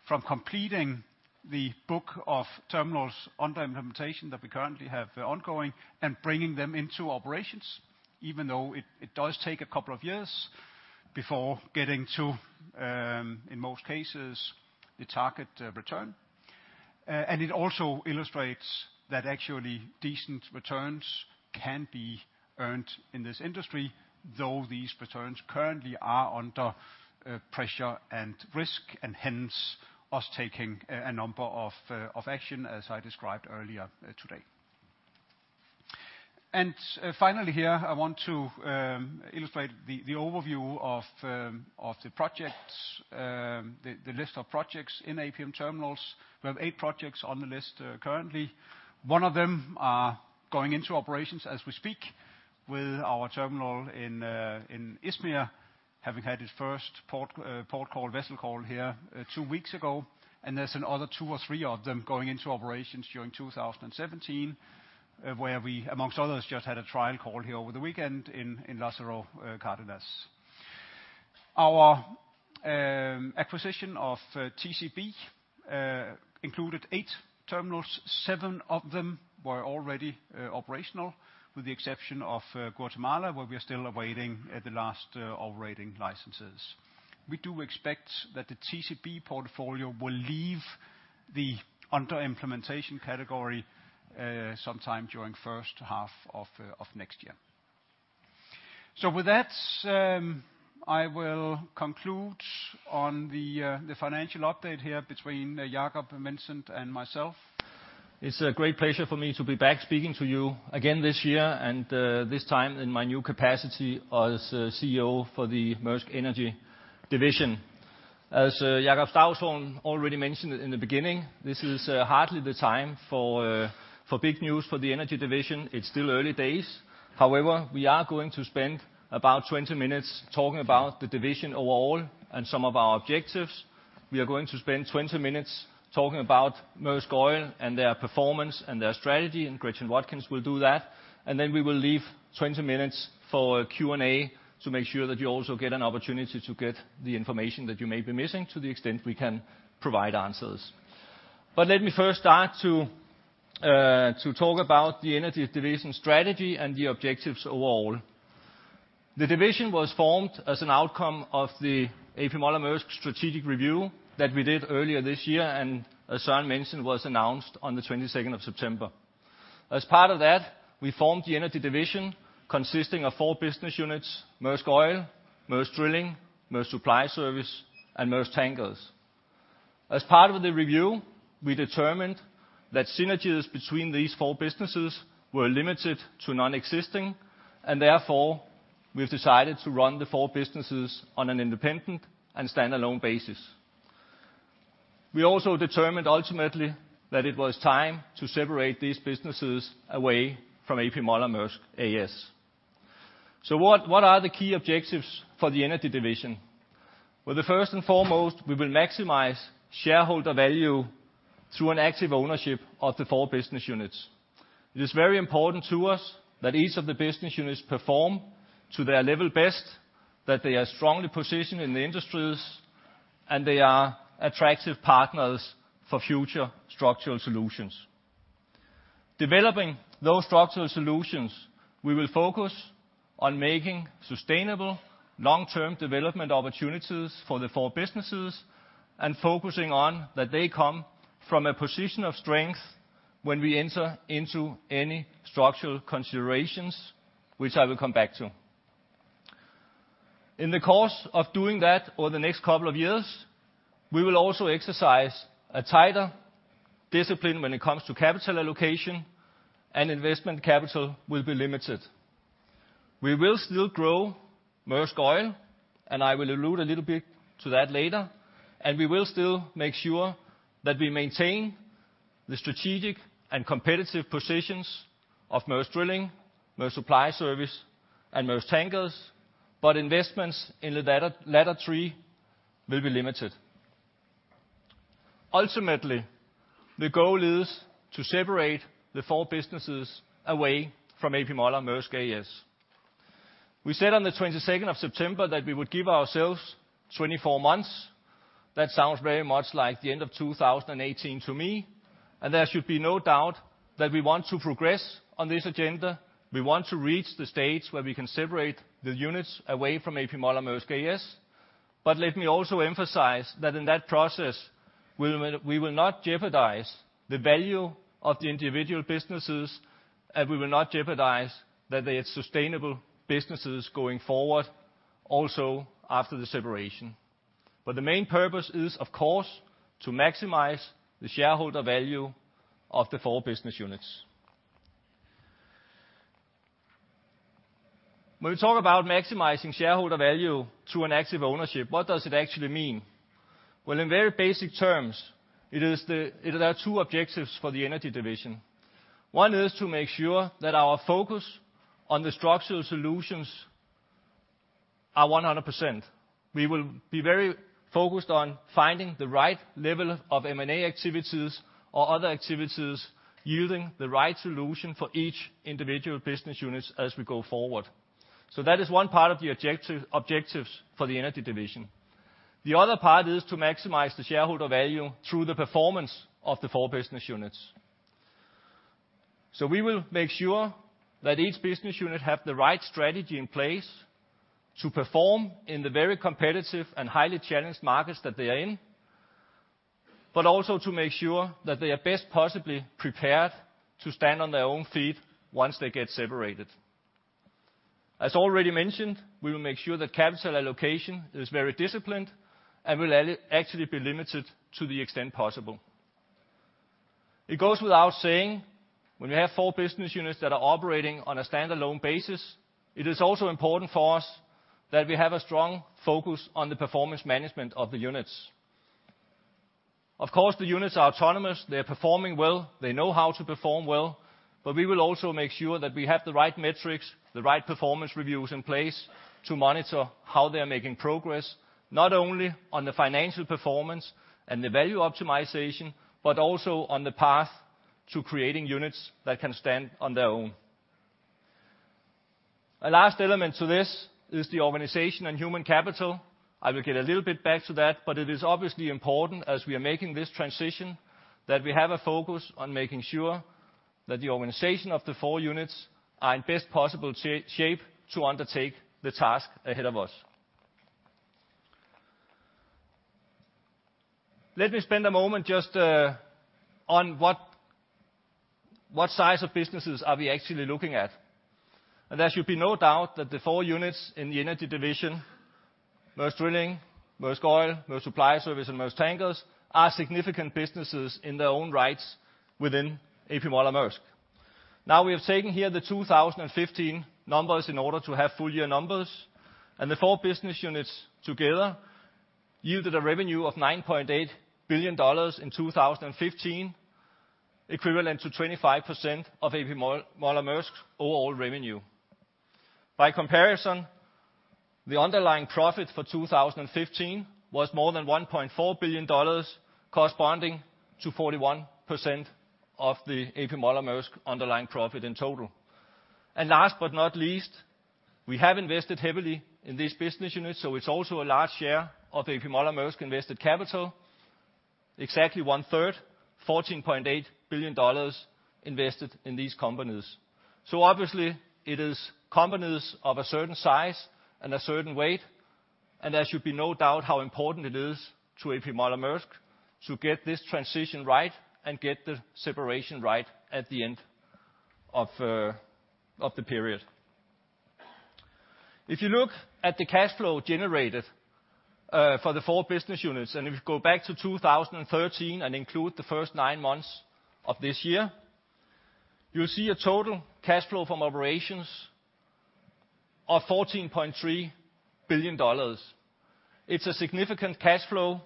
from completing the book of terminals under implementation that we currently have ongoing and bringing them into operations, even though it does take a couple of years before getting to, in most cases, the target return. It also illustrates that actually decent returns can be earned in this industry, though these returns currently are under pressure and risk, and hence us taking a number of action as I described earlier today. Finally here, I want to illustrate the overview of the projects, the list of projects in APM Terminals. We have eight projects on the list currently. One of them are going into operations as we speak with our terminal in İzmir, having had its first port call, vessel call here two weeks ago. There's another two or three of them going into operations during 2017, where we, amongst others, just had a trial call here over the weekend in Lázaro Cárdenas. Our acquisition of TCB included eight terminals. Seven of them were already operational, with the exception of Guatemala, where we are still awaiting the last operating licenses. We do expect that the TCB portfolio will leave the under implementation category sometime during first half of next year. With that, I will conclude on the financial update here between Jacob, Vincent, and myself. It's a great pleasure for me to be back speaking to you again this year and, this time in my new capacity as CEO for the Maersk Energy Division. As Jakob Stausholm already mentioned in the beginning, this is hardly the time for big news for the energy division. It's still early days. However, we are going to spend about 20 minutes talking about the division overall and some of our objectives. We are going to spend 20 minutes talking about Maersk Oil and their performance and their strategy, and Gretchen Watkins will do that. Then we will leave 20 minutes for Q&A to make sure that you also get an opportunity to get the information that you may be missing to the extent we can provide answers. Let me first start to talk about the Energy Division strategy and the objectives overall. The division was formed as an outcome of the A.P. Møller - Mærsk strategic review that we did earlier this year, and as Søren mentioned, was announced on the twenty-second of September. As part of that, we formed the Energy Division consisting of four business units, Maersk Oil, Maersk Drilling, Maersk Supply Service, and Maersk Tankers. As part of the review, we determined that synergies between these four businesses were limited to nonexistent, and therefore, we've decided to run the four businesses on an independent and standalone basis. We also determined ultimately that it was time to separate these businesses away from A.P. Møller - Mærsk A/S. What are the key objectives for the Energy Division? Well, the first and foremost, we will maximize shareholder value through an active ownership of the four business units. It is very important to us that each of the business units perform to their level best, that they are strongly positioned in the industries, and they are attractive partners for future structural solutions. Developing those structural solutions, we will focus on making sustainable long-term development opportunities for the four businesses and focusing on that they come from a position of strength when we enter into any structural considerations, which I will come back to. In the course of doing that over the next couple of years, we will also exercise a tighter discipline when it comes to capital allocation, and investment capital will be limited. We will still grow Maersk Oil, and I will allude a little bit to that later, and we will still make sure that we maintain the strategic and competitive positions of Maersk Drilling, Maersk Supply Service, and Maersk Tankers, but investments in the latter three will be limited. Ultimately, the goal is to separate the four businesses away from A.P. Møller - Mærsk A/S. We said on the twenty-second of September that we would give ourselves 24 months. That sounds very much like the end of 2018 to me, and there should be no doubt that we want to progress on this agenda. We want to reach the stage where we can separate the units away from A.P. Møller - Mærsk A/S. Let me also emphasize that in that process, we will not jeopardize the value of the individual businesses, and we will not jeopardize that they are sustainable businesses going forward, also after the separation. The main purpose is, of course, to maximize the shareholder value of the four business units. When we talk about maximizing shareholder value through an active ownership, what does it actually mean? Well, in very basic terms, it are two objectives for the Energy division. One is to make sure that our focus on the structural solutions are 100%. We will be very focused on finding the right level of M&A activities or other activities using the right solution for each individual business units as we go forward. That is one part of the objective for the Energy division. The other part is to maximize the shareholder value through the performance of the four business units. We will make sure that each business unit have the right strategy in place to perform in the very competitive and highly challenged markets that they are in, but also to make sure that they are best possibly prepared to stand on their own feet once they get separated. As already mentioned, we will make sure that capital allocation is very disciplined and will actually be limited to the extent possible. It goes without saying, when we have four business units that are operating on a standalone basis, it is also important for us that we have a strong focus on the performance management of the units. Of course, the units are autonomous. They are performing well. They know how to perform well. We will also make sure that we have the right metrics, the right performance reviews in place to monitor how they are making progress, not only on the financial performance and the value optimization, but also on the path to creating units that can stand on their own. A last element to this is the organization and human capital. I will get a little bit back to that, but it is obviously important as we are making this transition, that we have a focus on making sure that the organization of the four units are in best possible shape to undertake the task ahead of us. Let me spend a moment just on what size of businesses are we actually looking at. There should be no doubt that the four units in the Energy division, Maersk Drilling, Maersk Oil, Maersk Supply Service, and Maersk Tankers, are significant businesses in their own rights within A.P. Moller - Maersk. Now, we have taken here the 2015 numbers in order to have full year numbers, and the four business units together yielded a revenue of $9.8 billion in 2015, equivalent to 25% of A.P. Moller - Maersk overall revenue. By comparison, the underlying profit for 2015 was more than $1.4 billion corresponding to 41% of the A.P. Moller - Maersk underlying profit in total. Last but not least, we have invested heavily in this business unit, so it's also a large share of A.P. Moller - Maersk invested capital, exactly one-third, $14.8 billion invested in these companies. Obviously it is companies of a certain size and a certain weight, and there should be no doubt how important it is to A.P. Møller - Mærsk to get this transition right and get the separation right at the end of the period. If you look at the cash flow generated for the four business units, and if you go back to 2013 and include the first nine months of this year, you'll see a total cash flow from operations of $14.3 billion. It's a significant cash flow.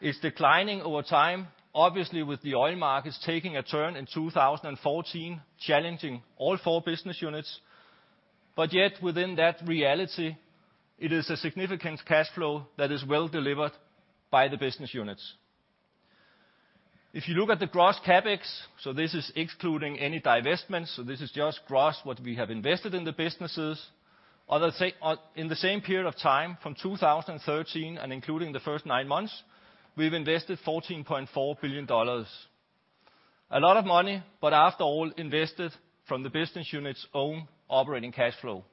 It's declining over time, obviously, with the oil markets taking a turn in 2014, challenging all four business units. Yet, within that reality, it is a significant cash flow that is well delivered by the business units. If you look at the gross CapEx, so this is excluding any divestments, so this is just gross what we have invested in the businesses. Otherwise, in the same period of time from 2013 and including the first nine months, we've invested $14.4 billion. A lot of money, but after all, invested from the business unit's own operating cash flow.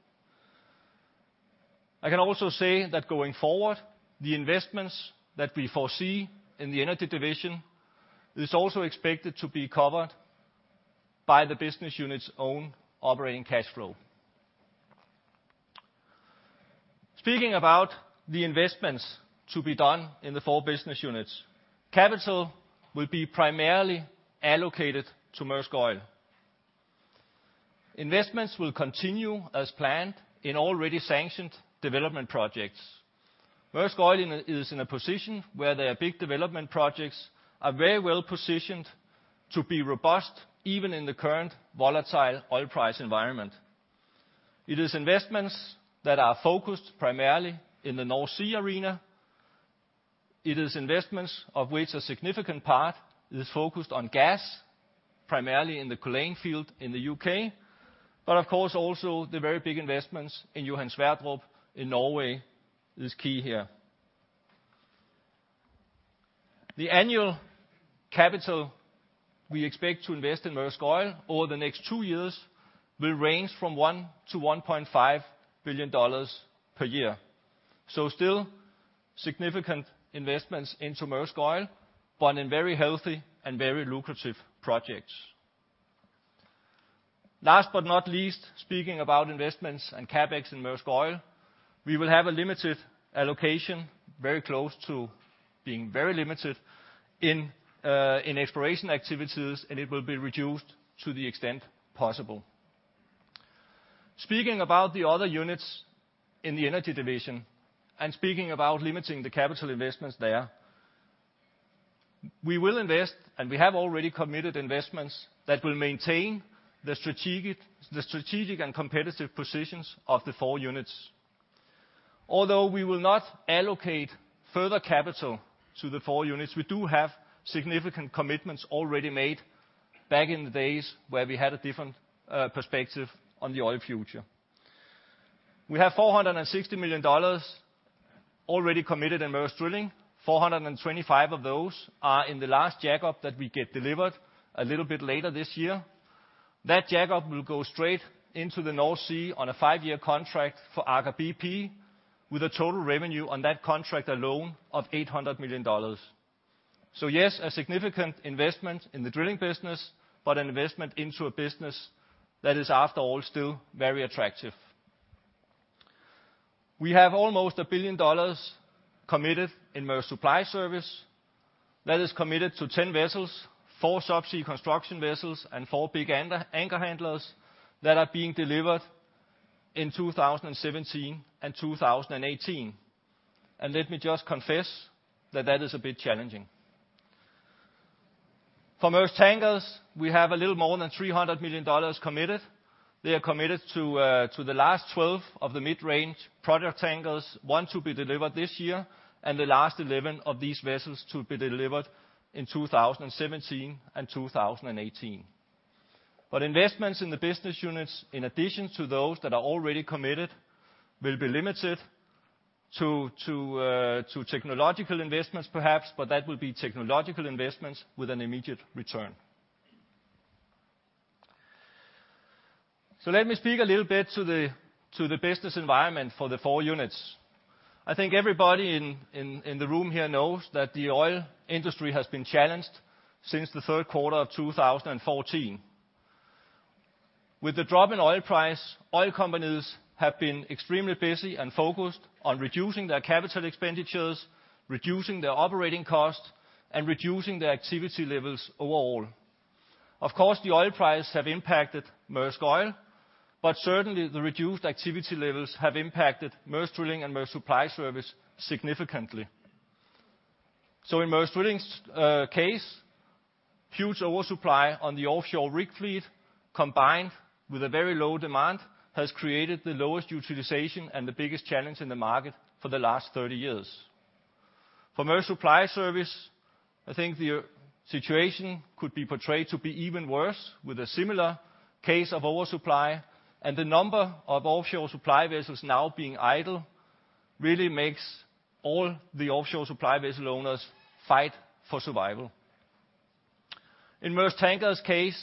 I can also say that going forward, the investments that we foresee in the Energy division is also expected to be covered by the business unit's own operating cash flow. Speaking about the investments to be done in the four business units, capital will be primarily allocated to Maersk Oil. Investments will continue as planned in already sanctioned development projects. Maersk Oil is in a position where their big development projects are very well positioned to be robust, even in the current volatile oil price environment. It is investments that are focused primarily in the North Sea arena. It is investments of which a significant part is focused on gas, primarily in the Culzean field in the UK. Of course also the very big investments in Johan Sverdrup in Norway is key here. The annual capital we expect to invest in Maersk Oil over the next two years will range from $1 billion-$1.5 billion per year. Still significant investments into Maersk Oil, but in very healthy and very lucrative projects. Last but not least, speaking about investments and CapEx in Maersk Oil, we will have a limited allocation, very close to being very limited in exploration activities, and it will be reduced to the extent possible. Speaking about the other units in the Energy division and speaking about limiting the capital investments there. We will invest, and we have already committed investments that will maintain the strategic and competitive positions of the four units. Although we will not allocate further capital to the four units, we do have significant commitments already made back in the days where we had a different, perspective on the oil future. We have $460 million already committed in Maersk Drilling. 425 of those are in the last jackup that we get delivered a little bit later this year. That jackup will go straight into the North Sea on a 5-year contract for Aker BP, with a total revenue on that contract alone of $800 million. Yes, a significant investment in the drilling business, but an investment into a business that is, after all, still very attractive. We have almost $1 billion committed in Maersk Supply Service. That is committed to 10 vessels, 4 subsea construction vessels, and 4 big anchor handlers that are being delivered in 2017 and 2018. Let me just confess that is a bit challenging. For Maersk Tankers, we have a little more than $300 million committed. They are committed to the last 12 of the mid-range product tankers, one to be delivered this year, and the last 11 of these vessels to be delivered in 2017 and 2018. Investments in the business units, in addition to those that are already committed, will be limited to technological investments perhaps, but that will be technological investments with an immediate return. Let me speak a little bit to the business environment for the four units. I think everybody in the room here knows that the oil industry has been challenged since the third quarter of 2014. With the drop in oil price, oil companies have been extremely busy and focused on reducing their capital expenditures, reducing their operating costs, and reducing their activity levels overall. Of course, the oil prices have impacted Maersk Oil, but certainly the reduced activity levels have impacted Maersk Drilling and Maersk Supply Service significantly. In Maersk Drilling's case, huge oversupply on the offshore rig fleet, combined with a very low demand, has created the lowest utilization and the biggest challenge in the market for the last 30 years. For Maersk Supply Service, I think the situation could be portrayed to be even worse with a similar case of oversupply and the number of offshore supply vessels now being idle really makes all the offshore supply vessel owners fight for survival. In Maersk Tankers case,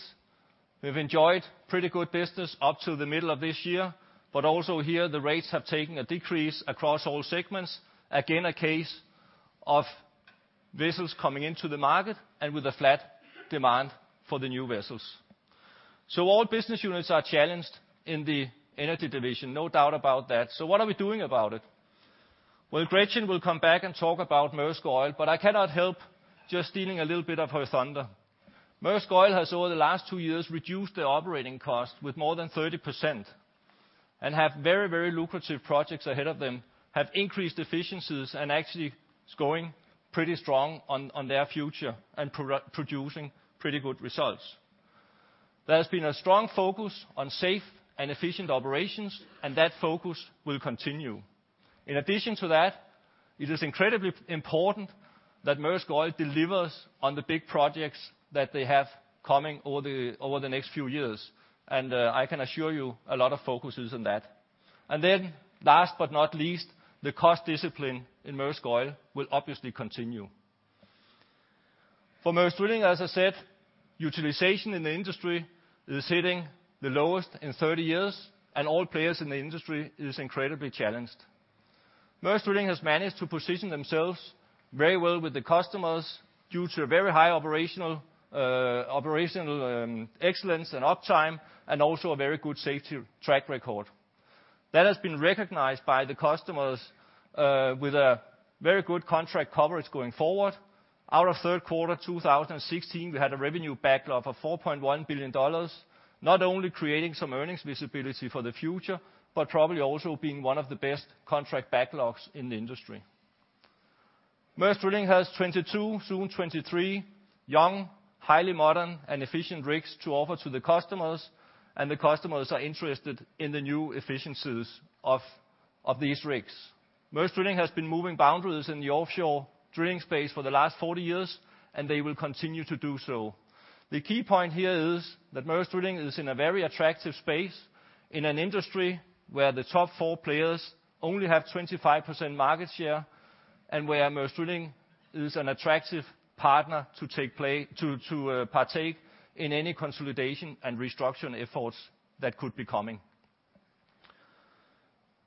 we've enjoyed pretty good business up to the middle of this year, but also here the rates have taken a decrease across all segments. Again, a case of vessels coming into the market and with a flat demand for the new vessels. All business units are challenged in the energy division, no doubt about that. What are we doing about it? Well, Gretchen will come back and talk about Maersk Oil, but I cannot help just stealing a little bit of her thunder. Maersk Oil has over the last 2 years reduced their operating costs with more than 30% and have very, very lucrative projects ahead of them, have increased efficiencies and actually is going pretty strong on their future and producing pretty good results. There's been a strong focus on safe and efficient operations, and that focus will continue. In addition to that, it is incredibly important that Maersk Oil delivers on the big projects that they have coming all the, over the next few years. I can assure you a lot of focus is on that. Last but not least, the cost discipline in Maersk Oil will obviously continue. For Maersk Drilling, as I said, utilization in the industry is hitting the lowest in 30 years, and all players in the industry is incredibly challenged. Maersk Drilling has managed to position themselves very well with the customers due to a very high operational excellence and uptime, and also a very good safety track record. That has been recognized by the customers with a very good contract coverage going forward. Out of Q3 2016, we had a revenue backlog of $4.1 billion, not only creating some earnings visibility for the future, but probably also being one of the best contract backlogs in the industry. Maersk Drilling has 22, soon 23, young, highly modern and efficient rigs to offer to the customers, and the customers are interested in the new efficiencies of these rigs. Maersk Drilling has been moving boundaries in the offshore drilling space for the last 40 years, and they will continue to do so. The key point here is that Maersk Drilling is in a very attractive space in an industry where the top four players only have 25% market share, and where Maersk Drilling is an attractive partner to partake in any consolidation and restructuring efforts that could be coming.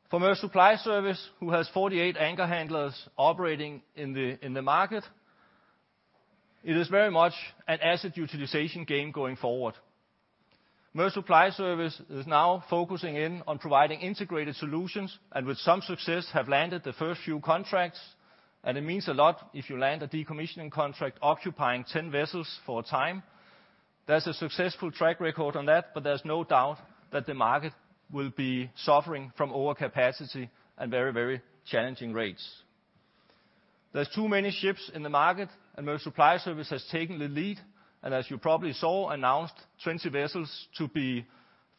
For Maersk Supply Service, who has 48 anchor handlers operating in the market, it is very much an asset utilization game going forward. Maersk Supply Service is now focusing in on providing integrated solutions, and with some success have landed the first few contracts. It means a lot if you land a decommissioning contract occupying 10 vessels for a time. There's a successful track record on that, but there's no doubt that the market will be suffering from overcapacity and very, very challenging rates. There's too many ships in the market, and Maersk Supply Service has taken the lead, and as you probably saw, announced 20 vessels to be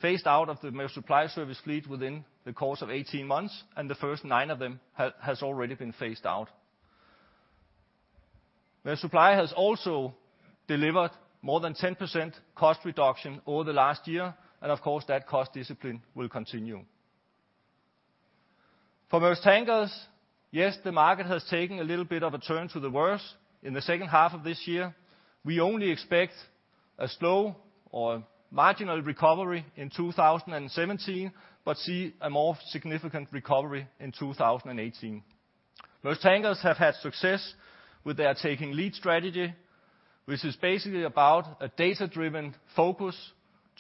phased out of the Maersk Supply Service fleet within the course of 18 months, and the first 9 of them has already been phased out. Maersk Supply has also delivered more than 10% cost reduction over the last year, and of course, that cost discipline will continue. For Maersk Tankers, yes, the market has taken a little bit of a turn to the worse in the second half of this year. We only expect a slow or marginal recovery in 2017, but see a more significant recovery in 2018. Maersk Tankers have had success with their Taking Lead strategy, which is basically about a data-driven focus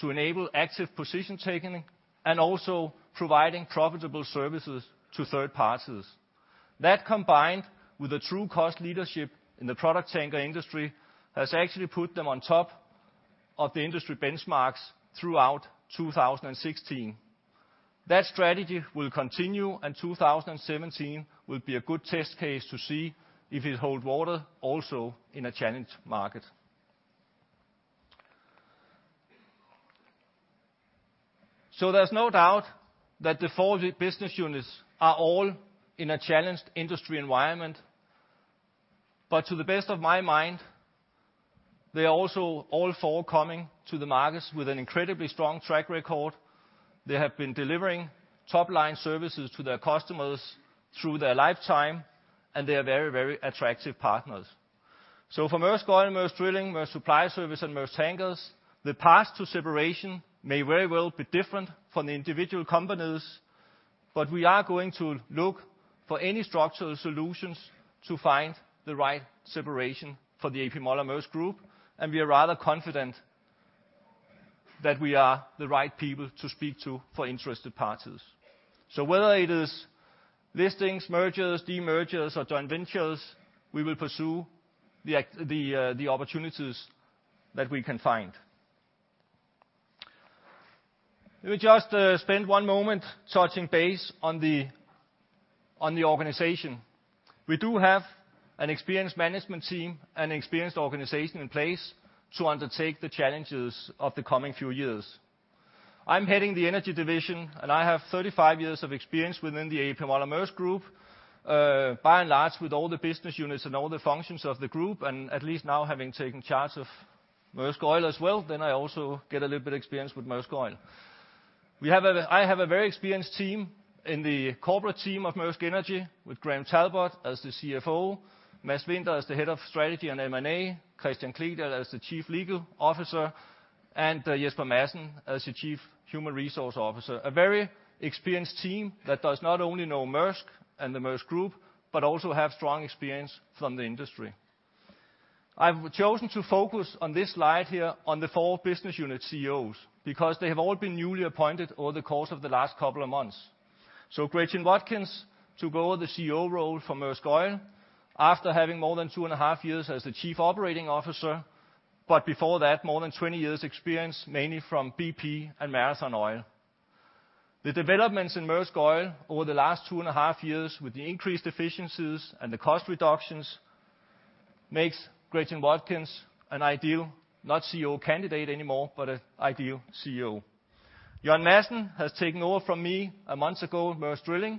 to enable active position taking and also providing profitable services to third parties. That combined with the true cost leadership in the product tanker industry, has actually put them on top of the industry benchmarks throughout 2016. That strategy will continue, and 2017 will be a good test case to see if it hold water also in a challenged market. There's no doubt that the four business units are all in a challenged industry environment. To the best of my mind, they are also all forthcoming to the markets with an incredibly strong track record. They have been delivering top-line services to their customers through their lifetime, and they are very, very attractive partners. For Maersk Oil, Maersk Drilling, Maersk Supply Service, and Maersk Tankers, the path to separation may very well be different for the individual companies, but we are going to look for any structural solutions to find the right separation for the A.P. Moller - Maersk Group, and we are rather confident that we are the right people to speak to for interested parties. Whether it is listings, mergers, demergers, or joint ventures, we will pursue the opportunities that we can find. Let me just spend one moment touching base on the organization. We do have an experienced management team and experienced organization in place to undertake the challenges of the coming few years. I'm heading the Energy Division, and I have 35 years of experience within the A.P. Møller - Maersk Group, by and large, with all the business units and all the functions of the group, and at least now having taken charge of Maersk Oil as well, then I also get a little bit experience with Maersk Oil. I have a very experienced team in the corporate team of Maersk Energy with Graham Talbot as the CFO, Mads Winther as the Head of Strategy and M&A, Christian Klegod as the Chief Legal Officer, and Jesper Madsen as the Chief Human Resource Officer. A very experienced team that does not only know Maersk and the Maersk Group, but also have strong experience from the industry. I've chosen to focus on this slide here on the four business unit CEOs, because they have all been newly appointed over the course of the last couple of months. Gretchen Watkins took over the CEO role for Maersk Oil after having more than 2.5 years as the Chief Operating Officer, but before that, more than 20 years experience, mainly from BP and Marathon Oil. The developments in Maersk Oil over the last 2.5 years with the increased efficiencies and the cost reductions makes Gretchen Watkins an ideal, not CEO candidate anymore, but an ideal CEO. Jørn Madsen has taken over from me a month ago at Maersk Drilling.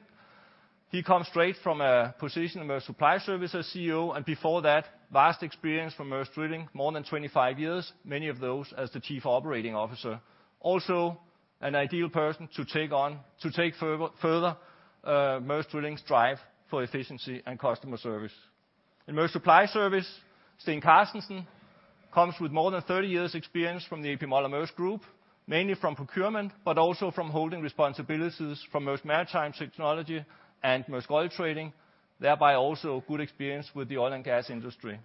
He comes straight from a position of Maersk Supply Service as CEO, and before that, vast experience from Maersk Drilling, more than 25 years, many of those as the Chief Operating Officer. Also an ideal person to take further Maersk Drilling's drive for efficiency and customer service. In Maersk Supply Service, Steen S. Karstensen comes with more than 30 years experience from the A.P. Møller - Mærsk Group, mainly from procurement, but also from holding responsibilities from Maersk Maritime Technology and Maersk Oil Trading, thereby also good experience with the oil and gas industry.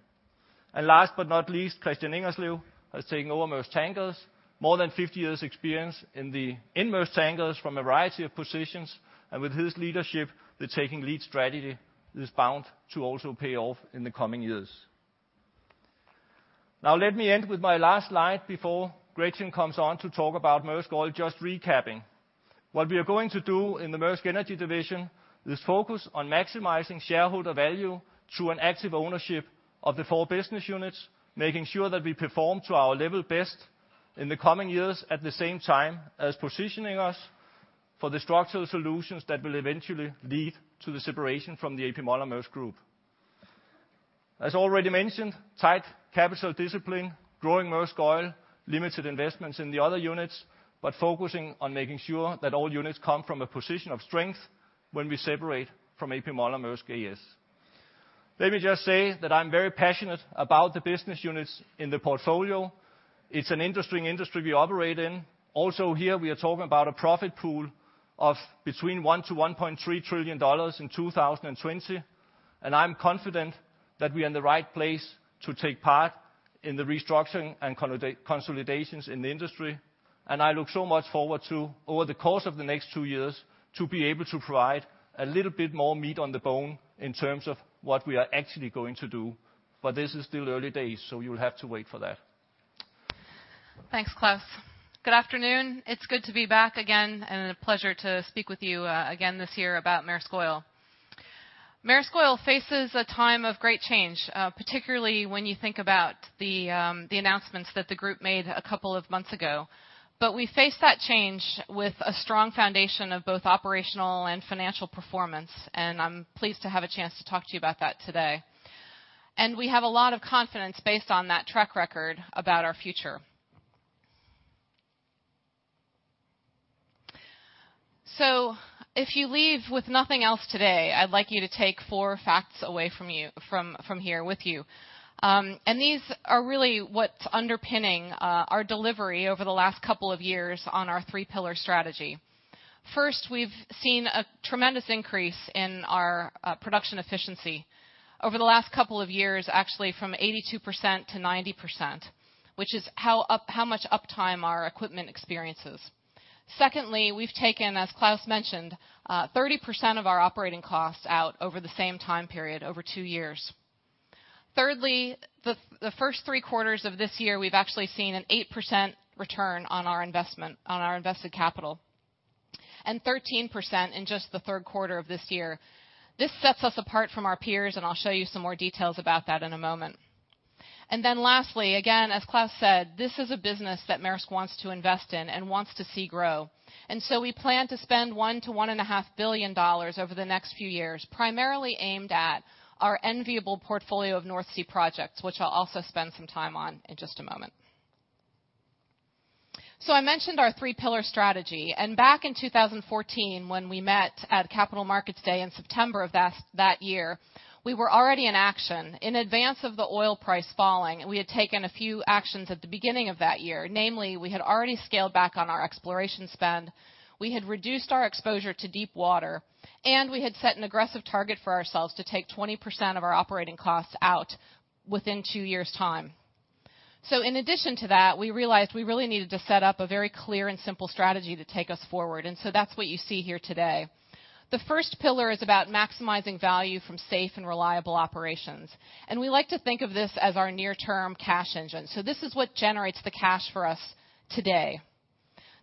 Last but not least, Christian M. Ingerslev has taken over Maersk Tankers. More than 50 years experience in Maersk Tankers from a variety of positions, and with his leadership, the Taking Lead strategy is bound to also pay off in the coming years. Now let me end with my last slide before Gretchen Watkins comes on to talk about Maersk Oil, just recapping. What we are going to do in the Maersk Energy division is focus on maximizing shareholder value through an active ownership of the four business units, making sure that we perform to our level best in the coming years, at the same time as positioning us for the structural solutions that will eventually lead to the separation from the A.P. Møller - Mærsk Group. As already mentioned, tight capital discipline, growing Maersk Oil, limited investments in the other units, but focusing on making sure that all units come from a position of strength when we separate from A.P. Møller - Mærsk A/S. Let me just say that I'm very passionate about the business units in the portfolio. It's an interesting industry we operate in. Also here, we are talking about a profit pool of between $1-$1.3 trillion in 2020. I'm confident that we are in the right place to take part in the restructuring and consolidations in the industry. I look so much forward to, over the course of the next two years, to be able to provide a little bit more meat on the bone in terms of what we are actually going to do. This is still early days, so you'll have to wait for that. Thanks, Claus. Good afternoon. It's good to be back again and a pleasure to speak with you again this year about Maersk Oil. Maersk Oil faces a time of great change, particularly when you think about the announcements that the group made a couple of months ago. We face that change with a strong foundation of both operational and financial performance, and I'm pleased to have a chance to talk to you about that today. We have a lot of confidence based on that track record about our future. If you leave with nothing else today, I'd like you to take four facts away from here with you. These are really what's underpinning our delivery over the last couple of years on our three pillar strategy. First, we've seen a tremendous increase in our production efficiency over the last couple of years, actually from 82% to 90%, which is how much uptime our equipment experiences. Secondly, we've taken, as Claus mentioned, 30% of our operating costs out over the same time period, over 2 years. Thirdly, the first 3 quarters of this year, we've actually seen an 8% return on our investment, on our invested capital, and 13% in just the third quarter of this year. This sets us apart from our peers, and I'll show you some more details about that in a moment. Lastly, again, as Claus said, this is a business that Maersk wants to invest in and wants to see grow. We plan to spend $1-$1.5 billion over the next few years, primarily aimed at our enviable portfolio of North Sea projects, which I'll also spend some time on in just a moment. I mentioned our three pillar strategy, and back in 2014 when we met at Capital Markets Day in September of that year, we were already in action. In advance of the oil price falling, we had taken a few actions at the beginning of that year. Namely, we had already scaled back on our exploration spend, we had reduced our exposure to deep water, and we had set an aggressive target for ourselves to take 20% of our operating costs out within two years' time. In addition to that, we realized we really needed to set up a very clear and simple strategy to take us forward, and so that's what you see here today. The first pillar is about maximizing value from safe and reliable operations, and we like to think of this as our near-term cash engine. This is what generates the cash for us today.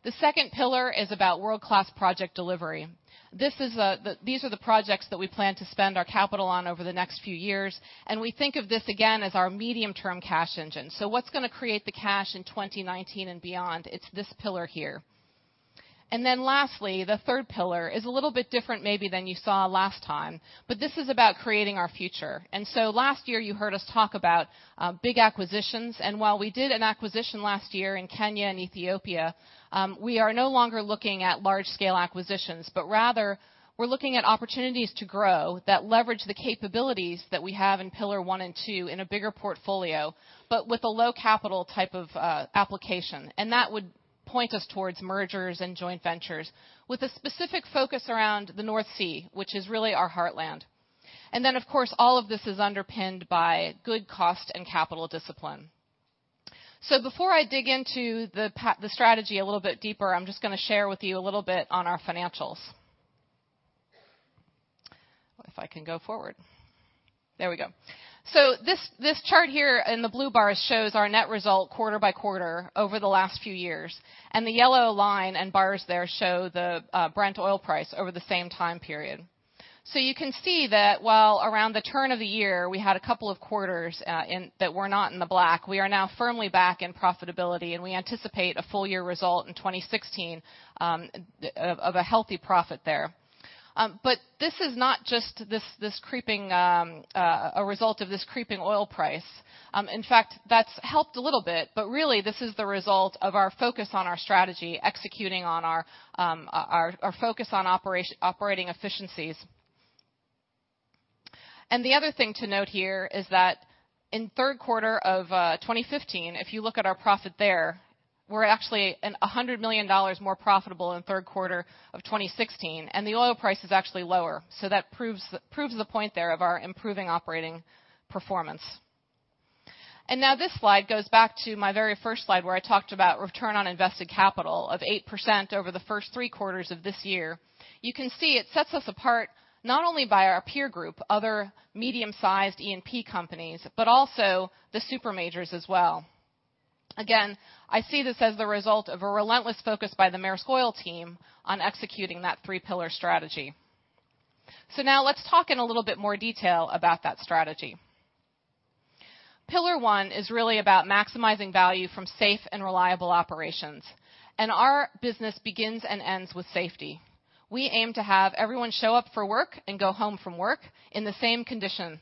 The second pillar is about world-class project delivery. This is. These are the projects that we plan to spend our capital on over the next few years, and we think of this again as our medium-term cash engine. What's gonna create the cash in 2019 and beyond? It's this pillar here. Then lastly, the third pillar is a little bit different maybe than you saw last time, but this is about creating our future. Last year you heard us talk about big acquisitions, and while we did an acquisition last year in Kenya and Ethiopia, we are no longer looking at large scale acquisitions, but rather we're looking at opportunities to grow that leverage the capabilities that we have in pillar one and two in a bigger portfolio, but with a low capital type of application. That would point us towards mergers and joint ventures with a specific focus around the North Sea, which is really our heartland. Of course, all of this is underpinned by good cost and capital discipline. Before I dig into the strategy a little bit deeper, I'm just gonna share with you a little bit on our financials. If I can go forward. There we go. This chart here in the blue bars shows our net result quarter by quarter over the last few years. The yellow line and bars there show the Brent oil price over the same time period. You can see that while around the turn of the year, we had a couple of quarters that were not in the black, we are now firmly back in profitability, and we anticipate a full year result in 2016 of a healthy profit there. This is not just a result of this creeping oil price. In fact, that's helped a little bit, but really this is the result of our focus on our strategy, executing on our focus on operating efficiencies. The other thing to note here is that in third quarter of 2015, if you look at our profit there, we're actually $100 million more profitable in third quarter of 2016, and the oil price is actually lower. That proves the point there of our improving operating performance. Now this slide goes back to my very first slide, where I talked about return on invested capital of 8% over the first three quarters of this year. You can see it sets us apart not only by our peer group, other medium-sized E&P companies, but also the super majors as well. Again, I see this as the result of a relentless focus by the Maersk Oil team on executing that three pillar strategy. Now let's talk in a little bit more detail about that strategy. Pillar one is really about maximizing value from safe and reliable operations, and our business begins and ends with safety. We aim to have everyone show up for work and go home from work in the same condition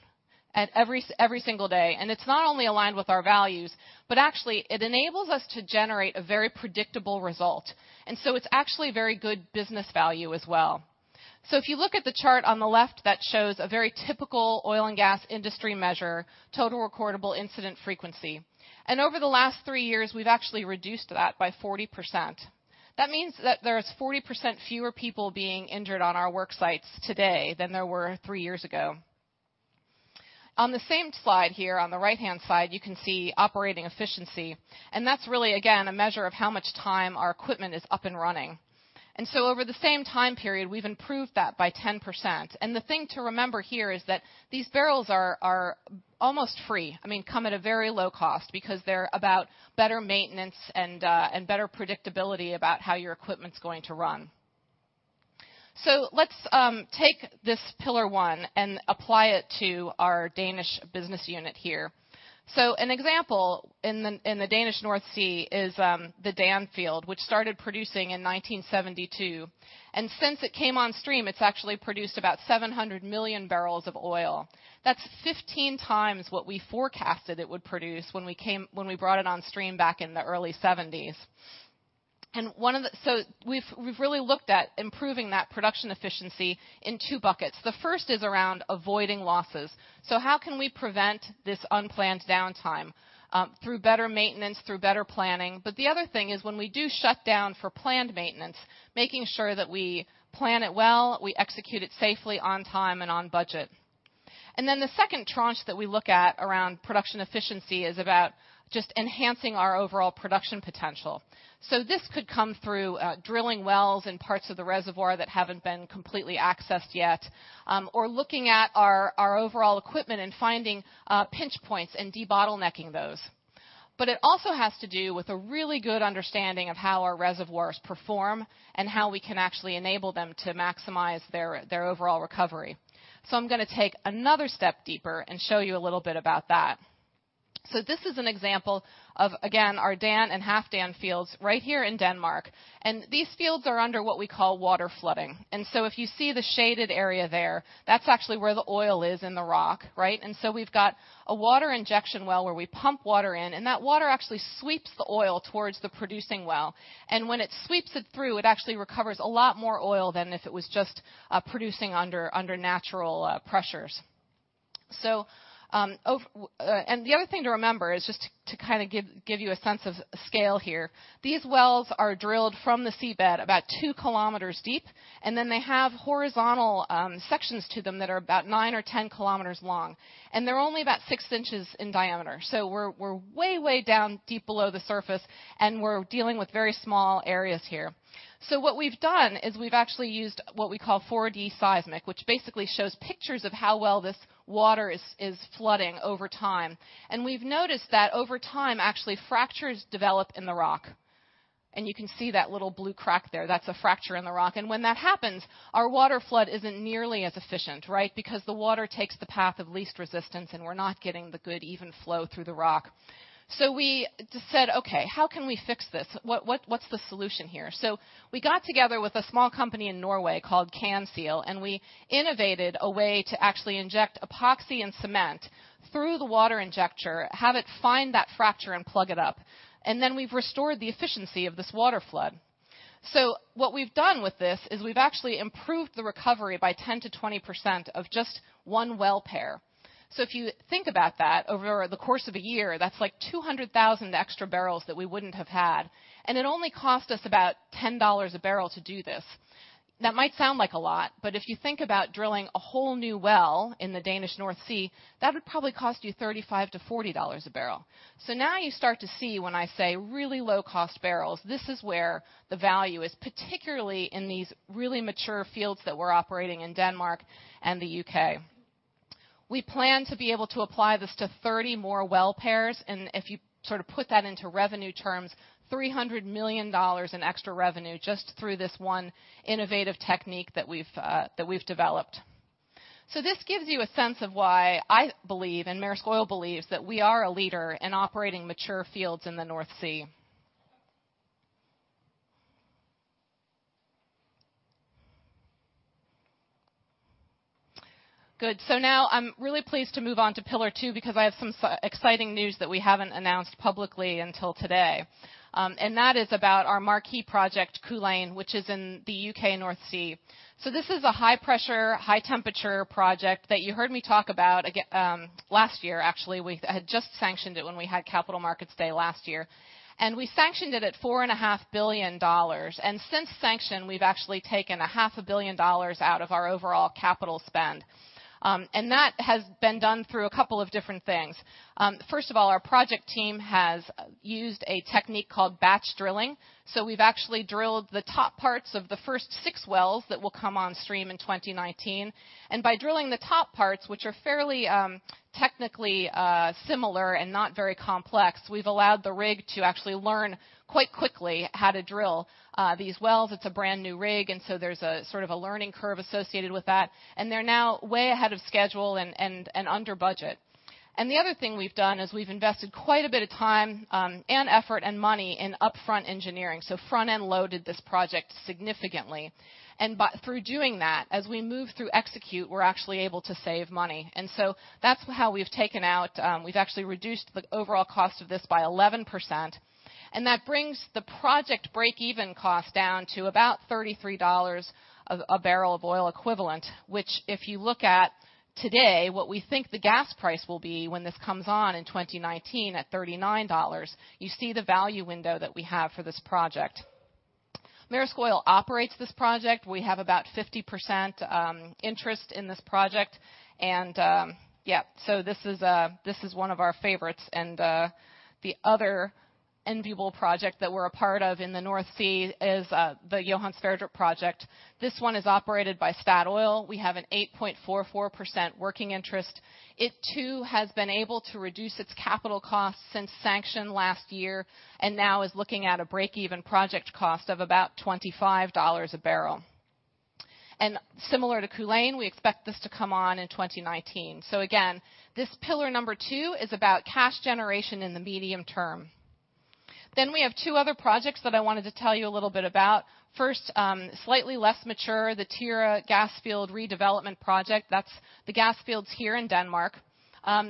at every single day. It's not only aligned with our values, but actually it enables us to generate a very predictable result. It's actually very good business value as well. If you look at the chart on the left that shows a very typical oil and gas industry measure, total recordable incident frequency. Over the last three years, we've actually reduced that by 40%. That means that there is 40% fewer people being injured on our work sites today than there were three years ago. On the same slide here on the right-hand side, you can see operating efficiency, and that's really, again, a measure of how much time our equipment is up and running. Over the same time period, we've improved that by 10%. The thing to remember here is that these barrels are almost free, I mean, come at a very low cost because they're about better maintenance and better predictability about how your equipment's going to run. Let's take this pillar one and apply it to our Danish business unit here. An example in the Danish North Sea is the Dan field, which started producing in 1972. Since it came on stream, it's actually produced about 700 million barrels of oil. That's 15 times what we forecasted it would produce when we brought it on stream back in the early seventies. We've really looked at improving that production efficiency in two buckets. The first is around avoiding losses. How can we prevent this unplanned downtime through better maintenance, through better planning? The other thing is when we do shut down for planned maintenance, making sure that we plan it well, we execute it safely on time and on budget. The second tranche that we look at around production efficiency is about just enhancing our overall production potential. This could come through drilling wells in parts of the reservoir that haven't been completely accessed yet, or looking at our overall equipment and finding pinch points and debottlenecking those. It also has to do with a really good understanding of how our reservoirs perform and how we can actually enable them to maximize their overall recovery. I'm gonna take another step deeper and show you a little bit about that. This is an example of, again, our Dan and Halfdan fields right here in Denmark. These fields are under what we call water flooding. If you see the shaded area there, that's actually where the oil is in the rock, right? We've got a water injection well where we pump water in, and that water actually sweeps the oil towards the producing well. When it sweeps it through, it actually recovers a lot more oil than if it was just producing under natural pressures. The other thing to remember is just to kinda give you a sense of scale here. These wells are drilled from the seabed about 2 kilometers deep, and then they have horizontal sections to them that are about 9 or 10 kilometers long. They're only about 6 inches in diameter. We're way down deep below the surface, and we're dealing with very small areas here. What we've done is we've actually used what we call 4D seismic, which basically shows pictures of how well this water is flooding over time. We've noticed that over time, actually, fractures develop in the rock. You can see that little blue crack there. That's a fracture in the rock. When that happens, our water flood isn't nearly as efficient, right? Because the water takes the path of least resistance, and we're not getting the good even flow through the rock. We just said, "Okay, how can we fix this? What’s the solution here?" We got together with a small company in Norway called CannSeal, and we innovated a way to actually inject epoxy and cement through the water injector, have it find that fracture and plug it up. Then we've restored the efficiency of this water flood. What we've done with this is we've actually improved the recovery by 10%-20% of just one well pair. If you think about that, over the course of a year, that's like 200,000 extra barrels that we wouldn't have had. It only cost us about $10 a barrel to do this. That might sound like a lot, but if you think about drilling a whole new well in the Danish North Sea, that would probably cost you $35-$40 a barrel. Now you start to see when I say really low cost barrels, this is where the value is, particularly in these really mature fields that we're operating in Denmark and the UK. We plan to be able to apply this to 30 more well pairs, and if you sort of put that into revenue terms, $300 million in extra revenue just through this one innovative technique that we've developed. This gives you a sense of why I believe and Maersk Oil believes that we are a leader in operating mature fields in the North Sea. Good. Now I'm really pleased to move on to pillar two because I have some exciting news that we haven't announced publicly until today. That is about our marquee project, Culzean, which is in the UK North Sea. This is a high-pressure, high-temperature project that you heard me talk about last year, actually. We had just sanctioned it when we had Capital Markets Day last year. We sanctioned it at $4.5 billion. Since sanction, we've actually taken $0.5 billion out of our overall capital spend. That has been done through a couple of different things. First of all, our project team has used a technique called batch drilling. We've actually drilled the top parts of the first six wells that will come on stream in 2019. By drilling the top parts, which are fairly, technically, similar and not very complex, we've allowed the rig to actually learn quite quickly how to drill, these wells. It's a brand-new rig, and so there's a sort of a learning curve associated with that. They're now way ahead of schedule and under budget. The other thing we've done is we've invested quite a bit of time, and effort and money in upfront engineering, so front-end loaded this project significantly. Through doing that, as we move through execute, we're actually able to save money. That's how we've taken out, we've actually reduced the overall cost of this by 11%. That brings the project break-even cost down to about $33 a barrel of oil equivalent, which if you look at today, what we think the gas price will be when this comes on in 2019 at $39, you see the value window that we have for this project. Maersk Oil operates this project. We have about 50% interest in this project. So this is one of our favorites. The other enviable project that we're a part of in the North Sea is the Johan Sverdrup project. This one is operated by Statoil. We have an 8.44% working interest. It too has been able to reduce its capital costs since sanction last year, and now is looking at a break-even project cost of about $25 a barrel. Similar to Culzean, we expect this to come on in 2019. This pillar number two is about cash generation in the medium term. We have two other projects that I wanted to tell you a little bit about. First, slightly less mature, the Tyra Gas Field Redevelopment Project. That's the gas fields here in Denmark.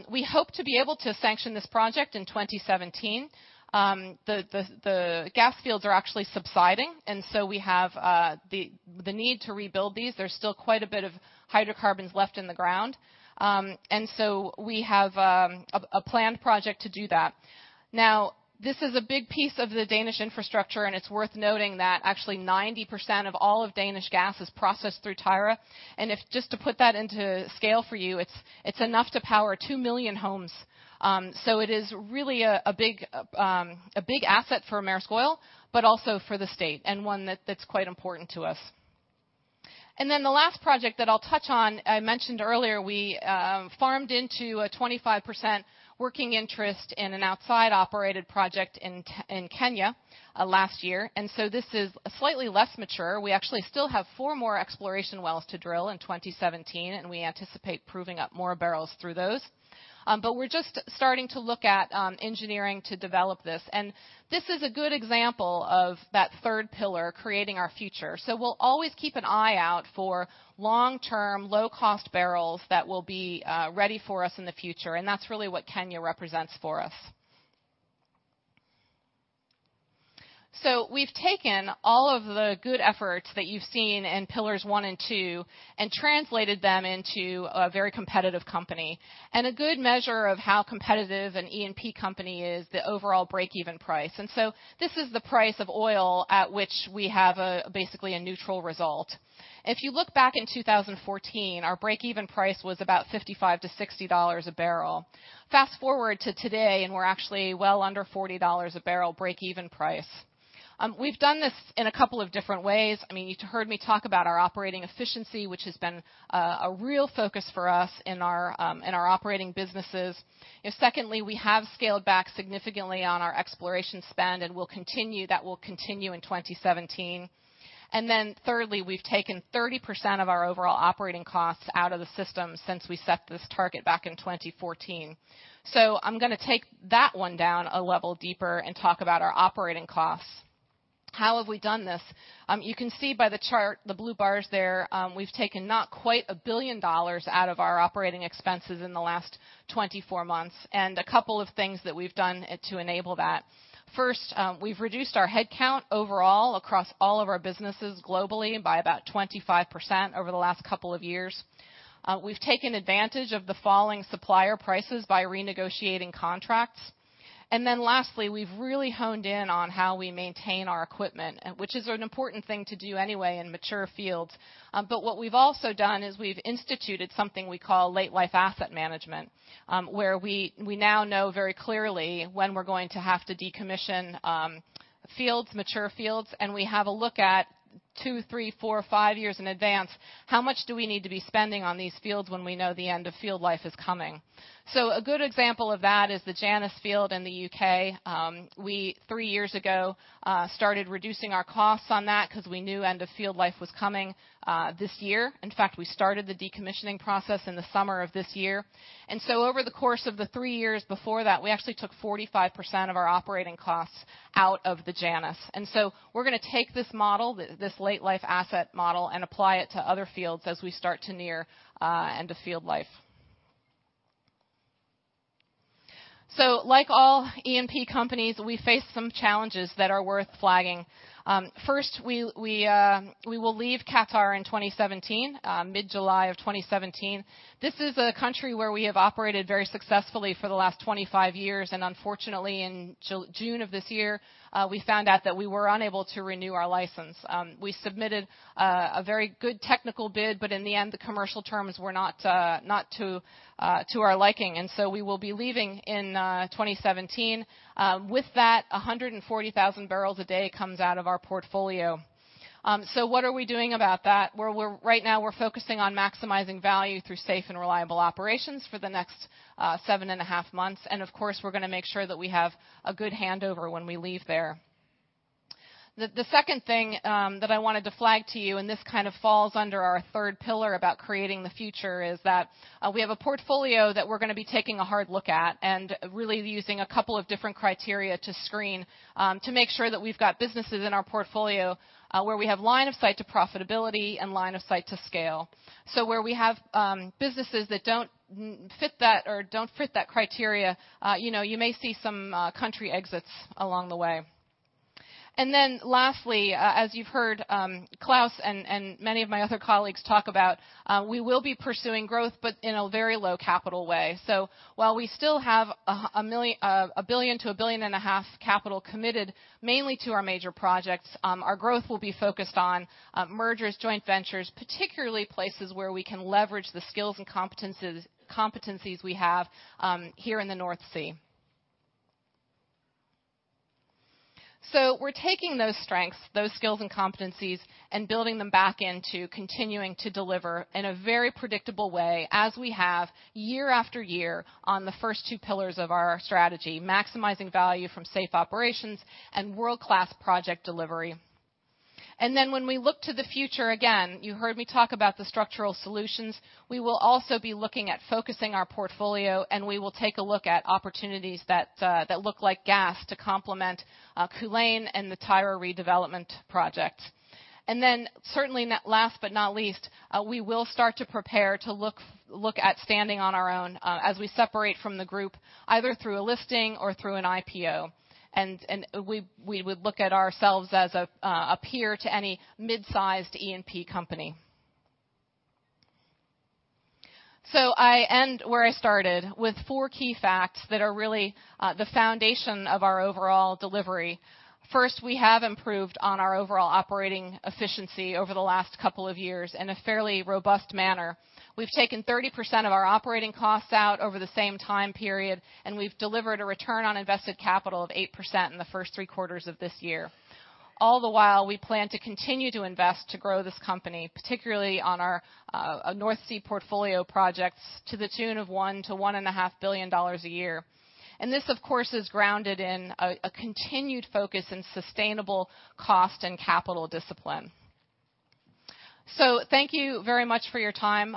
We hope to be able to sanction this project in 2017. The gas fields are actually subsiding, and so we have the need to rebuild these. There's still quite a bit of hydrocarbons left in the ground. We have a planned project to do that. Now this is a big piece of the Danish infrastructure, and it's worth noting that actually 90% of all of Danish gas is processed through Tyra. Just to put that into scale for you, it's enough to power 2 million homes. It is really a big asset for Maersk Oil, but also for the state, and one that's quite important to us. The last project that I'll touch on, I mentioned earlier we farmed into a 25% working interest in an outside-operated project in Kenya last year. This is slightly less mature. We actually still have 4 more exploration wells to drill in 2017, and we anticipate proving up more barrels through those. We're just starting to look at engineering to develop this. This is a good example of that third pillar, creating our future. We'll always keep an eye out for long-term, low-cost barrels that will be ready for us in the future, and that's really what Kenya represents for us. We've taken all of the good efforts that you've seen in pillars one and two and translated them into a very competitive company. A good measure of how competitive an E&P company is, the overall break-even price. This is the price of oil at which we have basically a neutral result. If you look back in 2014, our break-even price was about $55-$60 a barrel. Fast-forward to today, and we're actually well under $40 a barrel break-even price. We've done this in a couple of different ways. I mean, you've heard me talk about our operating efficiency, which has been a real focus for us in our operating businesses. Secondly, we have scaled back significantly on our exploration spend, and that will continue in 2017. Thirdly, we've taken 30% of our overall operating costs out of the system since we set this target back in 2014. I'm gonna take that one down a level deeper and talk about our operating costs. How have we done this? You can see by the chart, the blue bars there, we've taken not quite $1 billion out of our operating expenses in the last 24 months, and a couple of things that we've done to enable that. First, we've reduced our head count overall across all of our businesses globally by about 25% over the last couple of years. We've taken advantage of the falling supplier prices by renegotiating contracts. Lastly, we've really honed in on how we maintain our equipment, which is an important thing to do anyway in mature fields. What we've also done is we've instituted something we call late-life asset management, where we now know very clearly when we're going to have to decommission fields, mature fields. We have a look at two, three, four, five years in advance, how much do we need to be spending on these fields when we know the end of field life is coming? A good example of that is the Janice Field in the UK. We 3 years ago started reducing our costs on that because we knew end of field life was coming this year. In fact, we started the decommissioning process in the summer of this year. Over the course of the 3 years before that, we actually took 45% of our operating costs out of the Janice. We're gonna take this model, this late-life asset model, and apply it to other fields as we start to near end of field life. Like all E&P companies, we face some challenges that are worth flagging. First, we will leave Qatar in 2017, mid-July of 2017. This is a country where we have operated very successfully for the last 25 years. Unfortunately, in June of this year, we found out that we were unable to renew our license. We submitted a very good technical bid. In the end, the commercial terms were not to our liking, and so we will be leaving in 2017. With that, 140,000 barrels a day comes out of our portfolio. What are we doing about that? Well, right now we're focusing on maximizing value through safe and reliable operations for the next 7.5 months. Of course, we're gonna make sure that we have a good handover when we leave there. The second thing that I wanted to flag to you, and this kind of falls under our third pillar about creating the future, is that we have a portfolio that we're gonna be taking a hard look at and really using a couple of different criteria to screen to make sure that we've got businesses in our portfolio where we have line of sight to profitability and line of sight to scale. So where we have businesses that don't fit that or don't fit that criteria, you know, you may see some country exits along the way. Lastly, as you've heard, Claus and many of my other colleagues talk about, we will be pursuing growth but in a very low capital way. While we still have $1 billion-$1.5 billion capital committed mainly to our major projects, our growth will be focused on mergers, joint ventures, particularly places where we can leverage the skills and competencies we have here in the North Sea. We're taking those strengths, those skills and competencies, and building them back into continuing to deliver in a very predictable way as we have year after year on the first two pillars of our strategy, maximizing value from safe operations and world-class project delivery. When we look to the future, again, you heard me talk about the structural solutions. We will also be looking at focusing our portfolio, and we will take a look at opportunities that look like gas to complement Culzean and the Tyra redevelopment project. Certainly last but not least, we will start to prepare to look at standing on our own, as we separate from the group, either through a listing or through an IPO. We would look at ourselves as a peer to any mid-sized E&P company. I end where I started, with four key facts that are really the foundation of our overall delivery. First, we have improved on our overall operating efficiency over the last couple of years in a fairly robust manner. We've taken 30% of our operating costs out over the same time period, and we've delivered a return on invested capital of 8% in the first three quarters of this year. All the while, we plan to continue to invest to grow this company, particularly on our North Sea portfolio projects to the tune of $1-$1.5 billion a year. This, of course, is grounded in a continued focus in sustainable cost and capital discipline. Thank you very much for your time.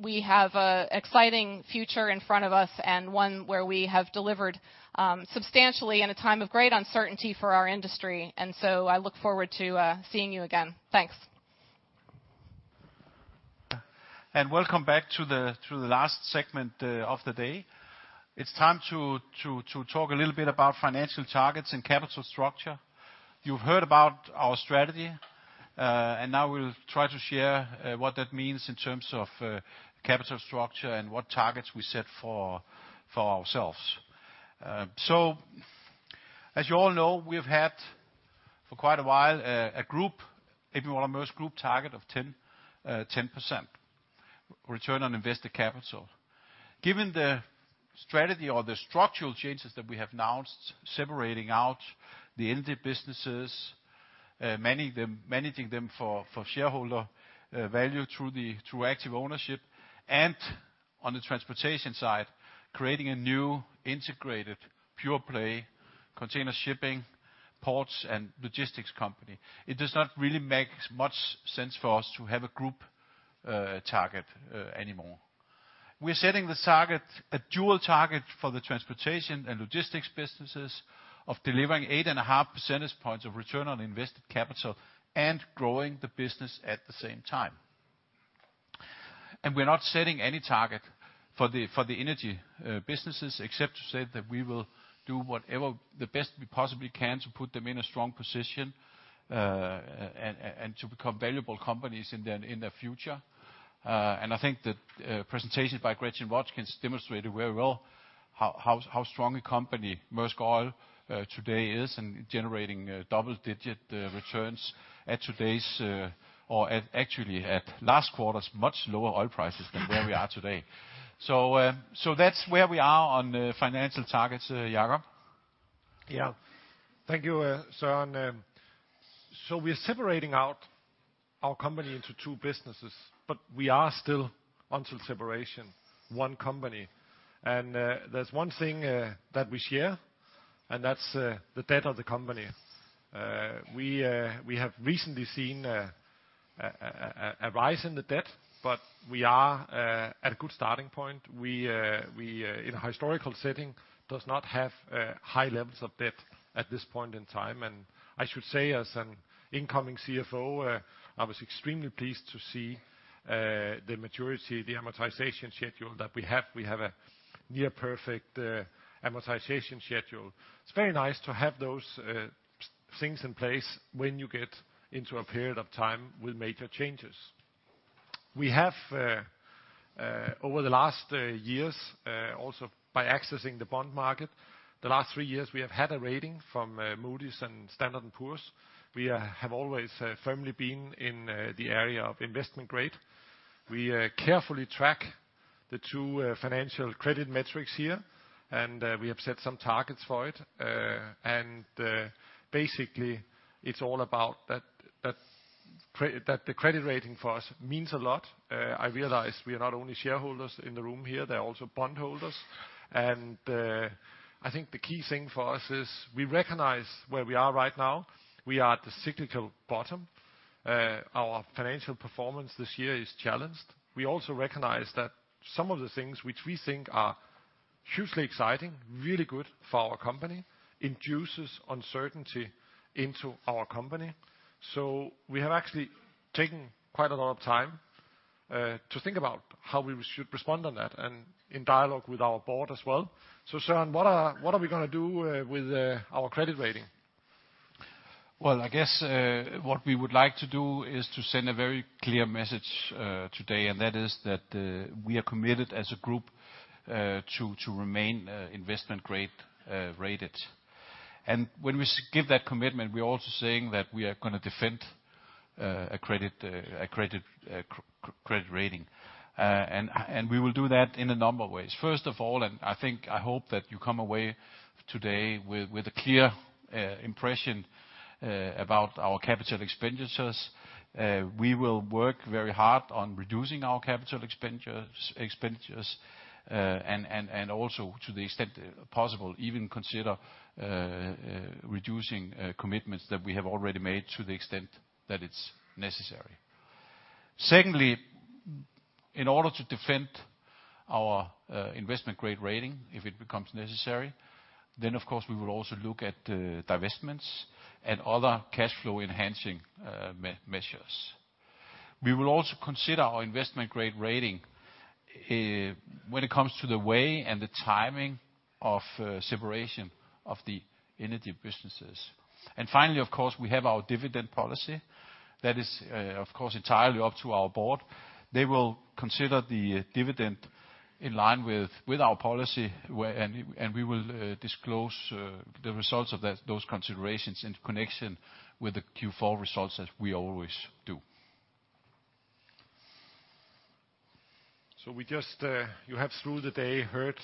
We have an exciting future in front of us and one where we have delivered substantially in a time of great uncertainty for our industry. I look forward to seeing you again. Thanks. Welcome back to the last segment of the day. It's time to talk a little bit about financial targets and capital structure. You've heard about our strategy, and now we'll try to share what that means in terms of capital structure and what targets we set for ourselves. As you all know, we've had for quite a while a group A.P. Moller - Maersk group target of 10% return on invested capital. Given the strategy or the structural changes that we have announced, separating out the energy businesses, many of them, managing them for shareholder value through active ownership, and on the transportation side, creating a new integrated pure play container shipping, ports, and logistics company, it does not really make much sense for us to have a group target anymore. We're setting the target, a dual target for the transportation and logistics businesses of delivering 8.5 percentage points of return on invested capital and growing the business at the same time. We're not setting any target for the energy businesses, except to say that we will do whatever the best we possibly can to put them in a strong position and to become valuable companies in their future. I think the presentation by Gretchen Watkins demonstrated very well how strong a company Maersk Oil today is in generating double-digit returns at today's or actually at last quarter's much lower oil prices than where we are today. That's where we are on financial targets, Jacob. Yeah. Thank you, Søren. We're separating out our company into two businesses, but we are still, until separation, one company. There's one thing that we share, and that's the debt of the company. We have recently seen a rise in the debt, but we are at a good starting point. We, in a historical setting, do not have high levels of debt at this point in time. I should say as an incoming CFO, I was extremely pleased to see the maturity, the amortization schedule that we have. We have a near perfect amortization schedule. It's very nice to have those things in place when you get into a period of time with major changes. We have over the last years also by accessing the bond market, the last 3 years we have had a rating from Moody's and Standard & Poor's. We have always firmly been in the area of investment grade. We carefully track the 2 financial credit metrics here, and we have set some targets for it. Basically, it's all about that the credit rating for us means a lot. I realize we are not only shareholders in the room here, there are also bondholders. I think the key thing for us is we recognize where we are right now. We are at the cyclical bottom. Our financial performance this year is challenged. We also recognize that some of the things which we think are hugely exciting, really good for our company, induces uncertainty into our company. We have actually taken quite a lot of time to think about how we should respond on that and in dialogue with our board as well. Søren, what are we gonna do with our credit rating? Well, I guess what we would like to do is to send a very clear message today, and that is that we are committed as a group to remain investment grade rated. When we give that commitment, we're also saying that we are gonna defend a credit rating. We will do that in a number of ways. First of all, I think I hope that you come away today with a clear impression about our capital expenditures. We will work very hard on reducing our capital expenditures and also to the extent possible even consider reducing commitments that we have already made to the extent that it's necessary. Secondly, in order to defend our investment-grade rating, if it becomes necessary, then of course we will also look at divestments and other cash flow-enhancing measures. We will also consider our investment-grade rating when it comes to the way and the timing of separation of the energy businesses. Finally, of course, we have our dividend policy. That is, of course, entirely up to our board. They will consider the dividend in line with our policy and we will disclose the results of those considerations in connection with the Q4 results as we always do. We just, you have through the day heard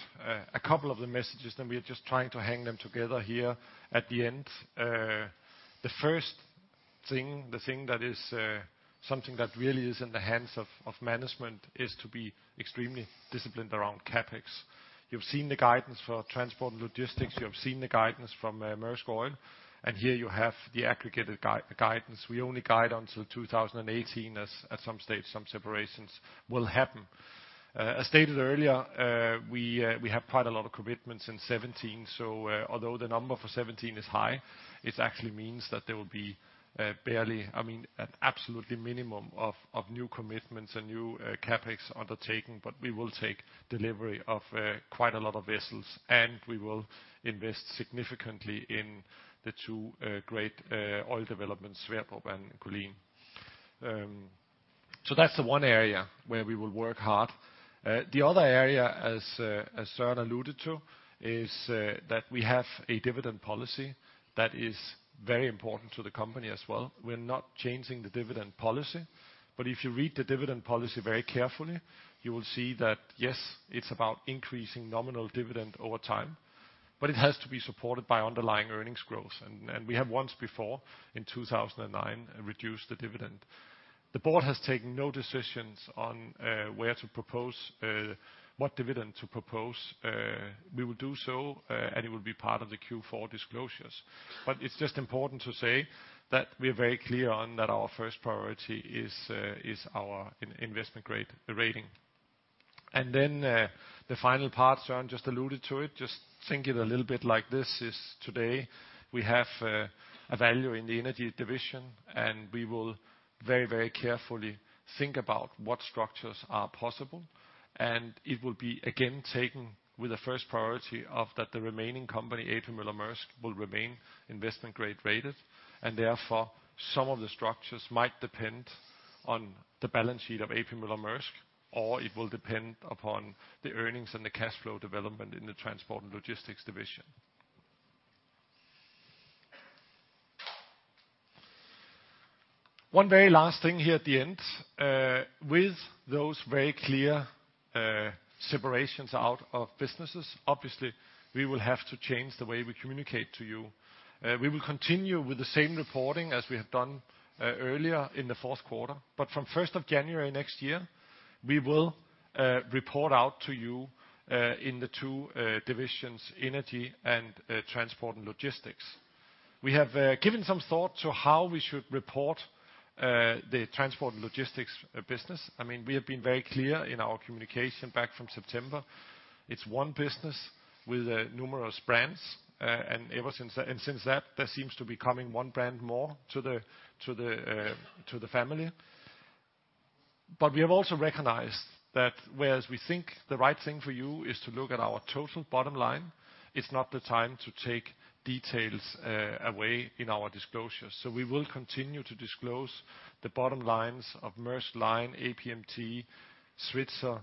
a couple of the messages, and we are just trying to hang them together here at the end. The first thing, the thing that is something that really is in the hands of management is to be extremely disciplined around CapEx. You've seen the guidance for Transport & Logistics, you have seen the guidance from Maersk Oil, and here you have the aggregated guidance. We only guide until 2018 as at some stage, some separations will happen. As stated earlier, we have quite a lot of commitments in 2017, so although the number for 2017 is high, it actually means that there will be barely, I mean, an absolutely minimum of new commitments and new CapEx undertaking, but we will take delivery of quite a lot of vessels, and we will invest significantly in the two great oil developments, Johan Sverdrup and Culzean. That's the one area where we will work hard. The other area, as Søren alluded to, is that we have a dividend policy that is very important to the company as well. We're not changing the dividend policy, but if you read the dividend policy very carefully, you will see that yes, it's about increasing nominal dividend over time, but it has to be supported by underlying earnings growth. We have once before in 2009 reduced the dividend. The board has taken no decisions on where to propose what dividend to propose. We will do so, and it will be part of the Q4 disclosures. It's just important to say that we're very clear on that our first priority is our investment grade rating. Then, the final part, Søren just alluded to it, just think it a little bit like this is today we have a value in the Energy Division, and we will very, very carefully think about what structures are possible. It will be again taken with the first priority of that the remaining company, A.P. Moller - Maersk, will remain investment grade rated, and therefore, some of the structures might depend on the balance sheet of A.P. Moller - Maersk, or it will depend upon the earnings and the cash flow development in the Transport & Logistics division. One very last thing here at the end. With those very clear separations out of businesses, obviously we will have to change the way we communicate to you. We will continue with the same reporting as we have done earlier in the fourth quarter, but from first of January next year, we will report out to you in the two divisions, Energy and Transport & Logistics. We have given some thought to how we should report the Transport & Logistics business. I mean, we have been very clear in our communication back from September. It's one business with numerous brands. Ever since that, and since that, there seems to be coming one brand more to the family. We have also recognized that whereas we think the right thing for you is to look at our total bottom line, it's not the time to take details away in our disclosure. We will continue to disclose the bottom lines of Maersk Line, APMT, Svitzer,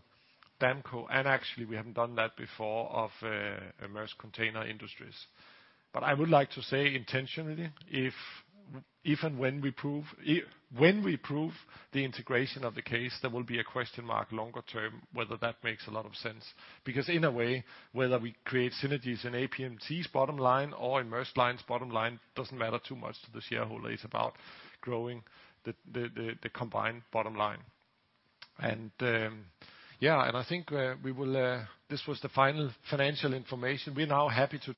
Damco, and actually we haven't done that before of Maersk Container Industry. I would like to say intentionally, if and when we prove the integration of the case, there will be a question mark longer term whether that makes a lot of sense. Because in a way, whether we create synergies in APMT's bottom line or in Maersk Line's bottom line doesn't matter too much to the shareholder. It's about growing the combined bottom line. I think this was the final financial information. We're now happy to-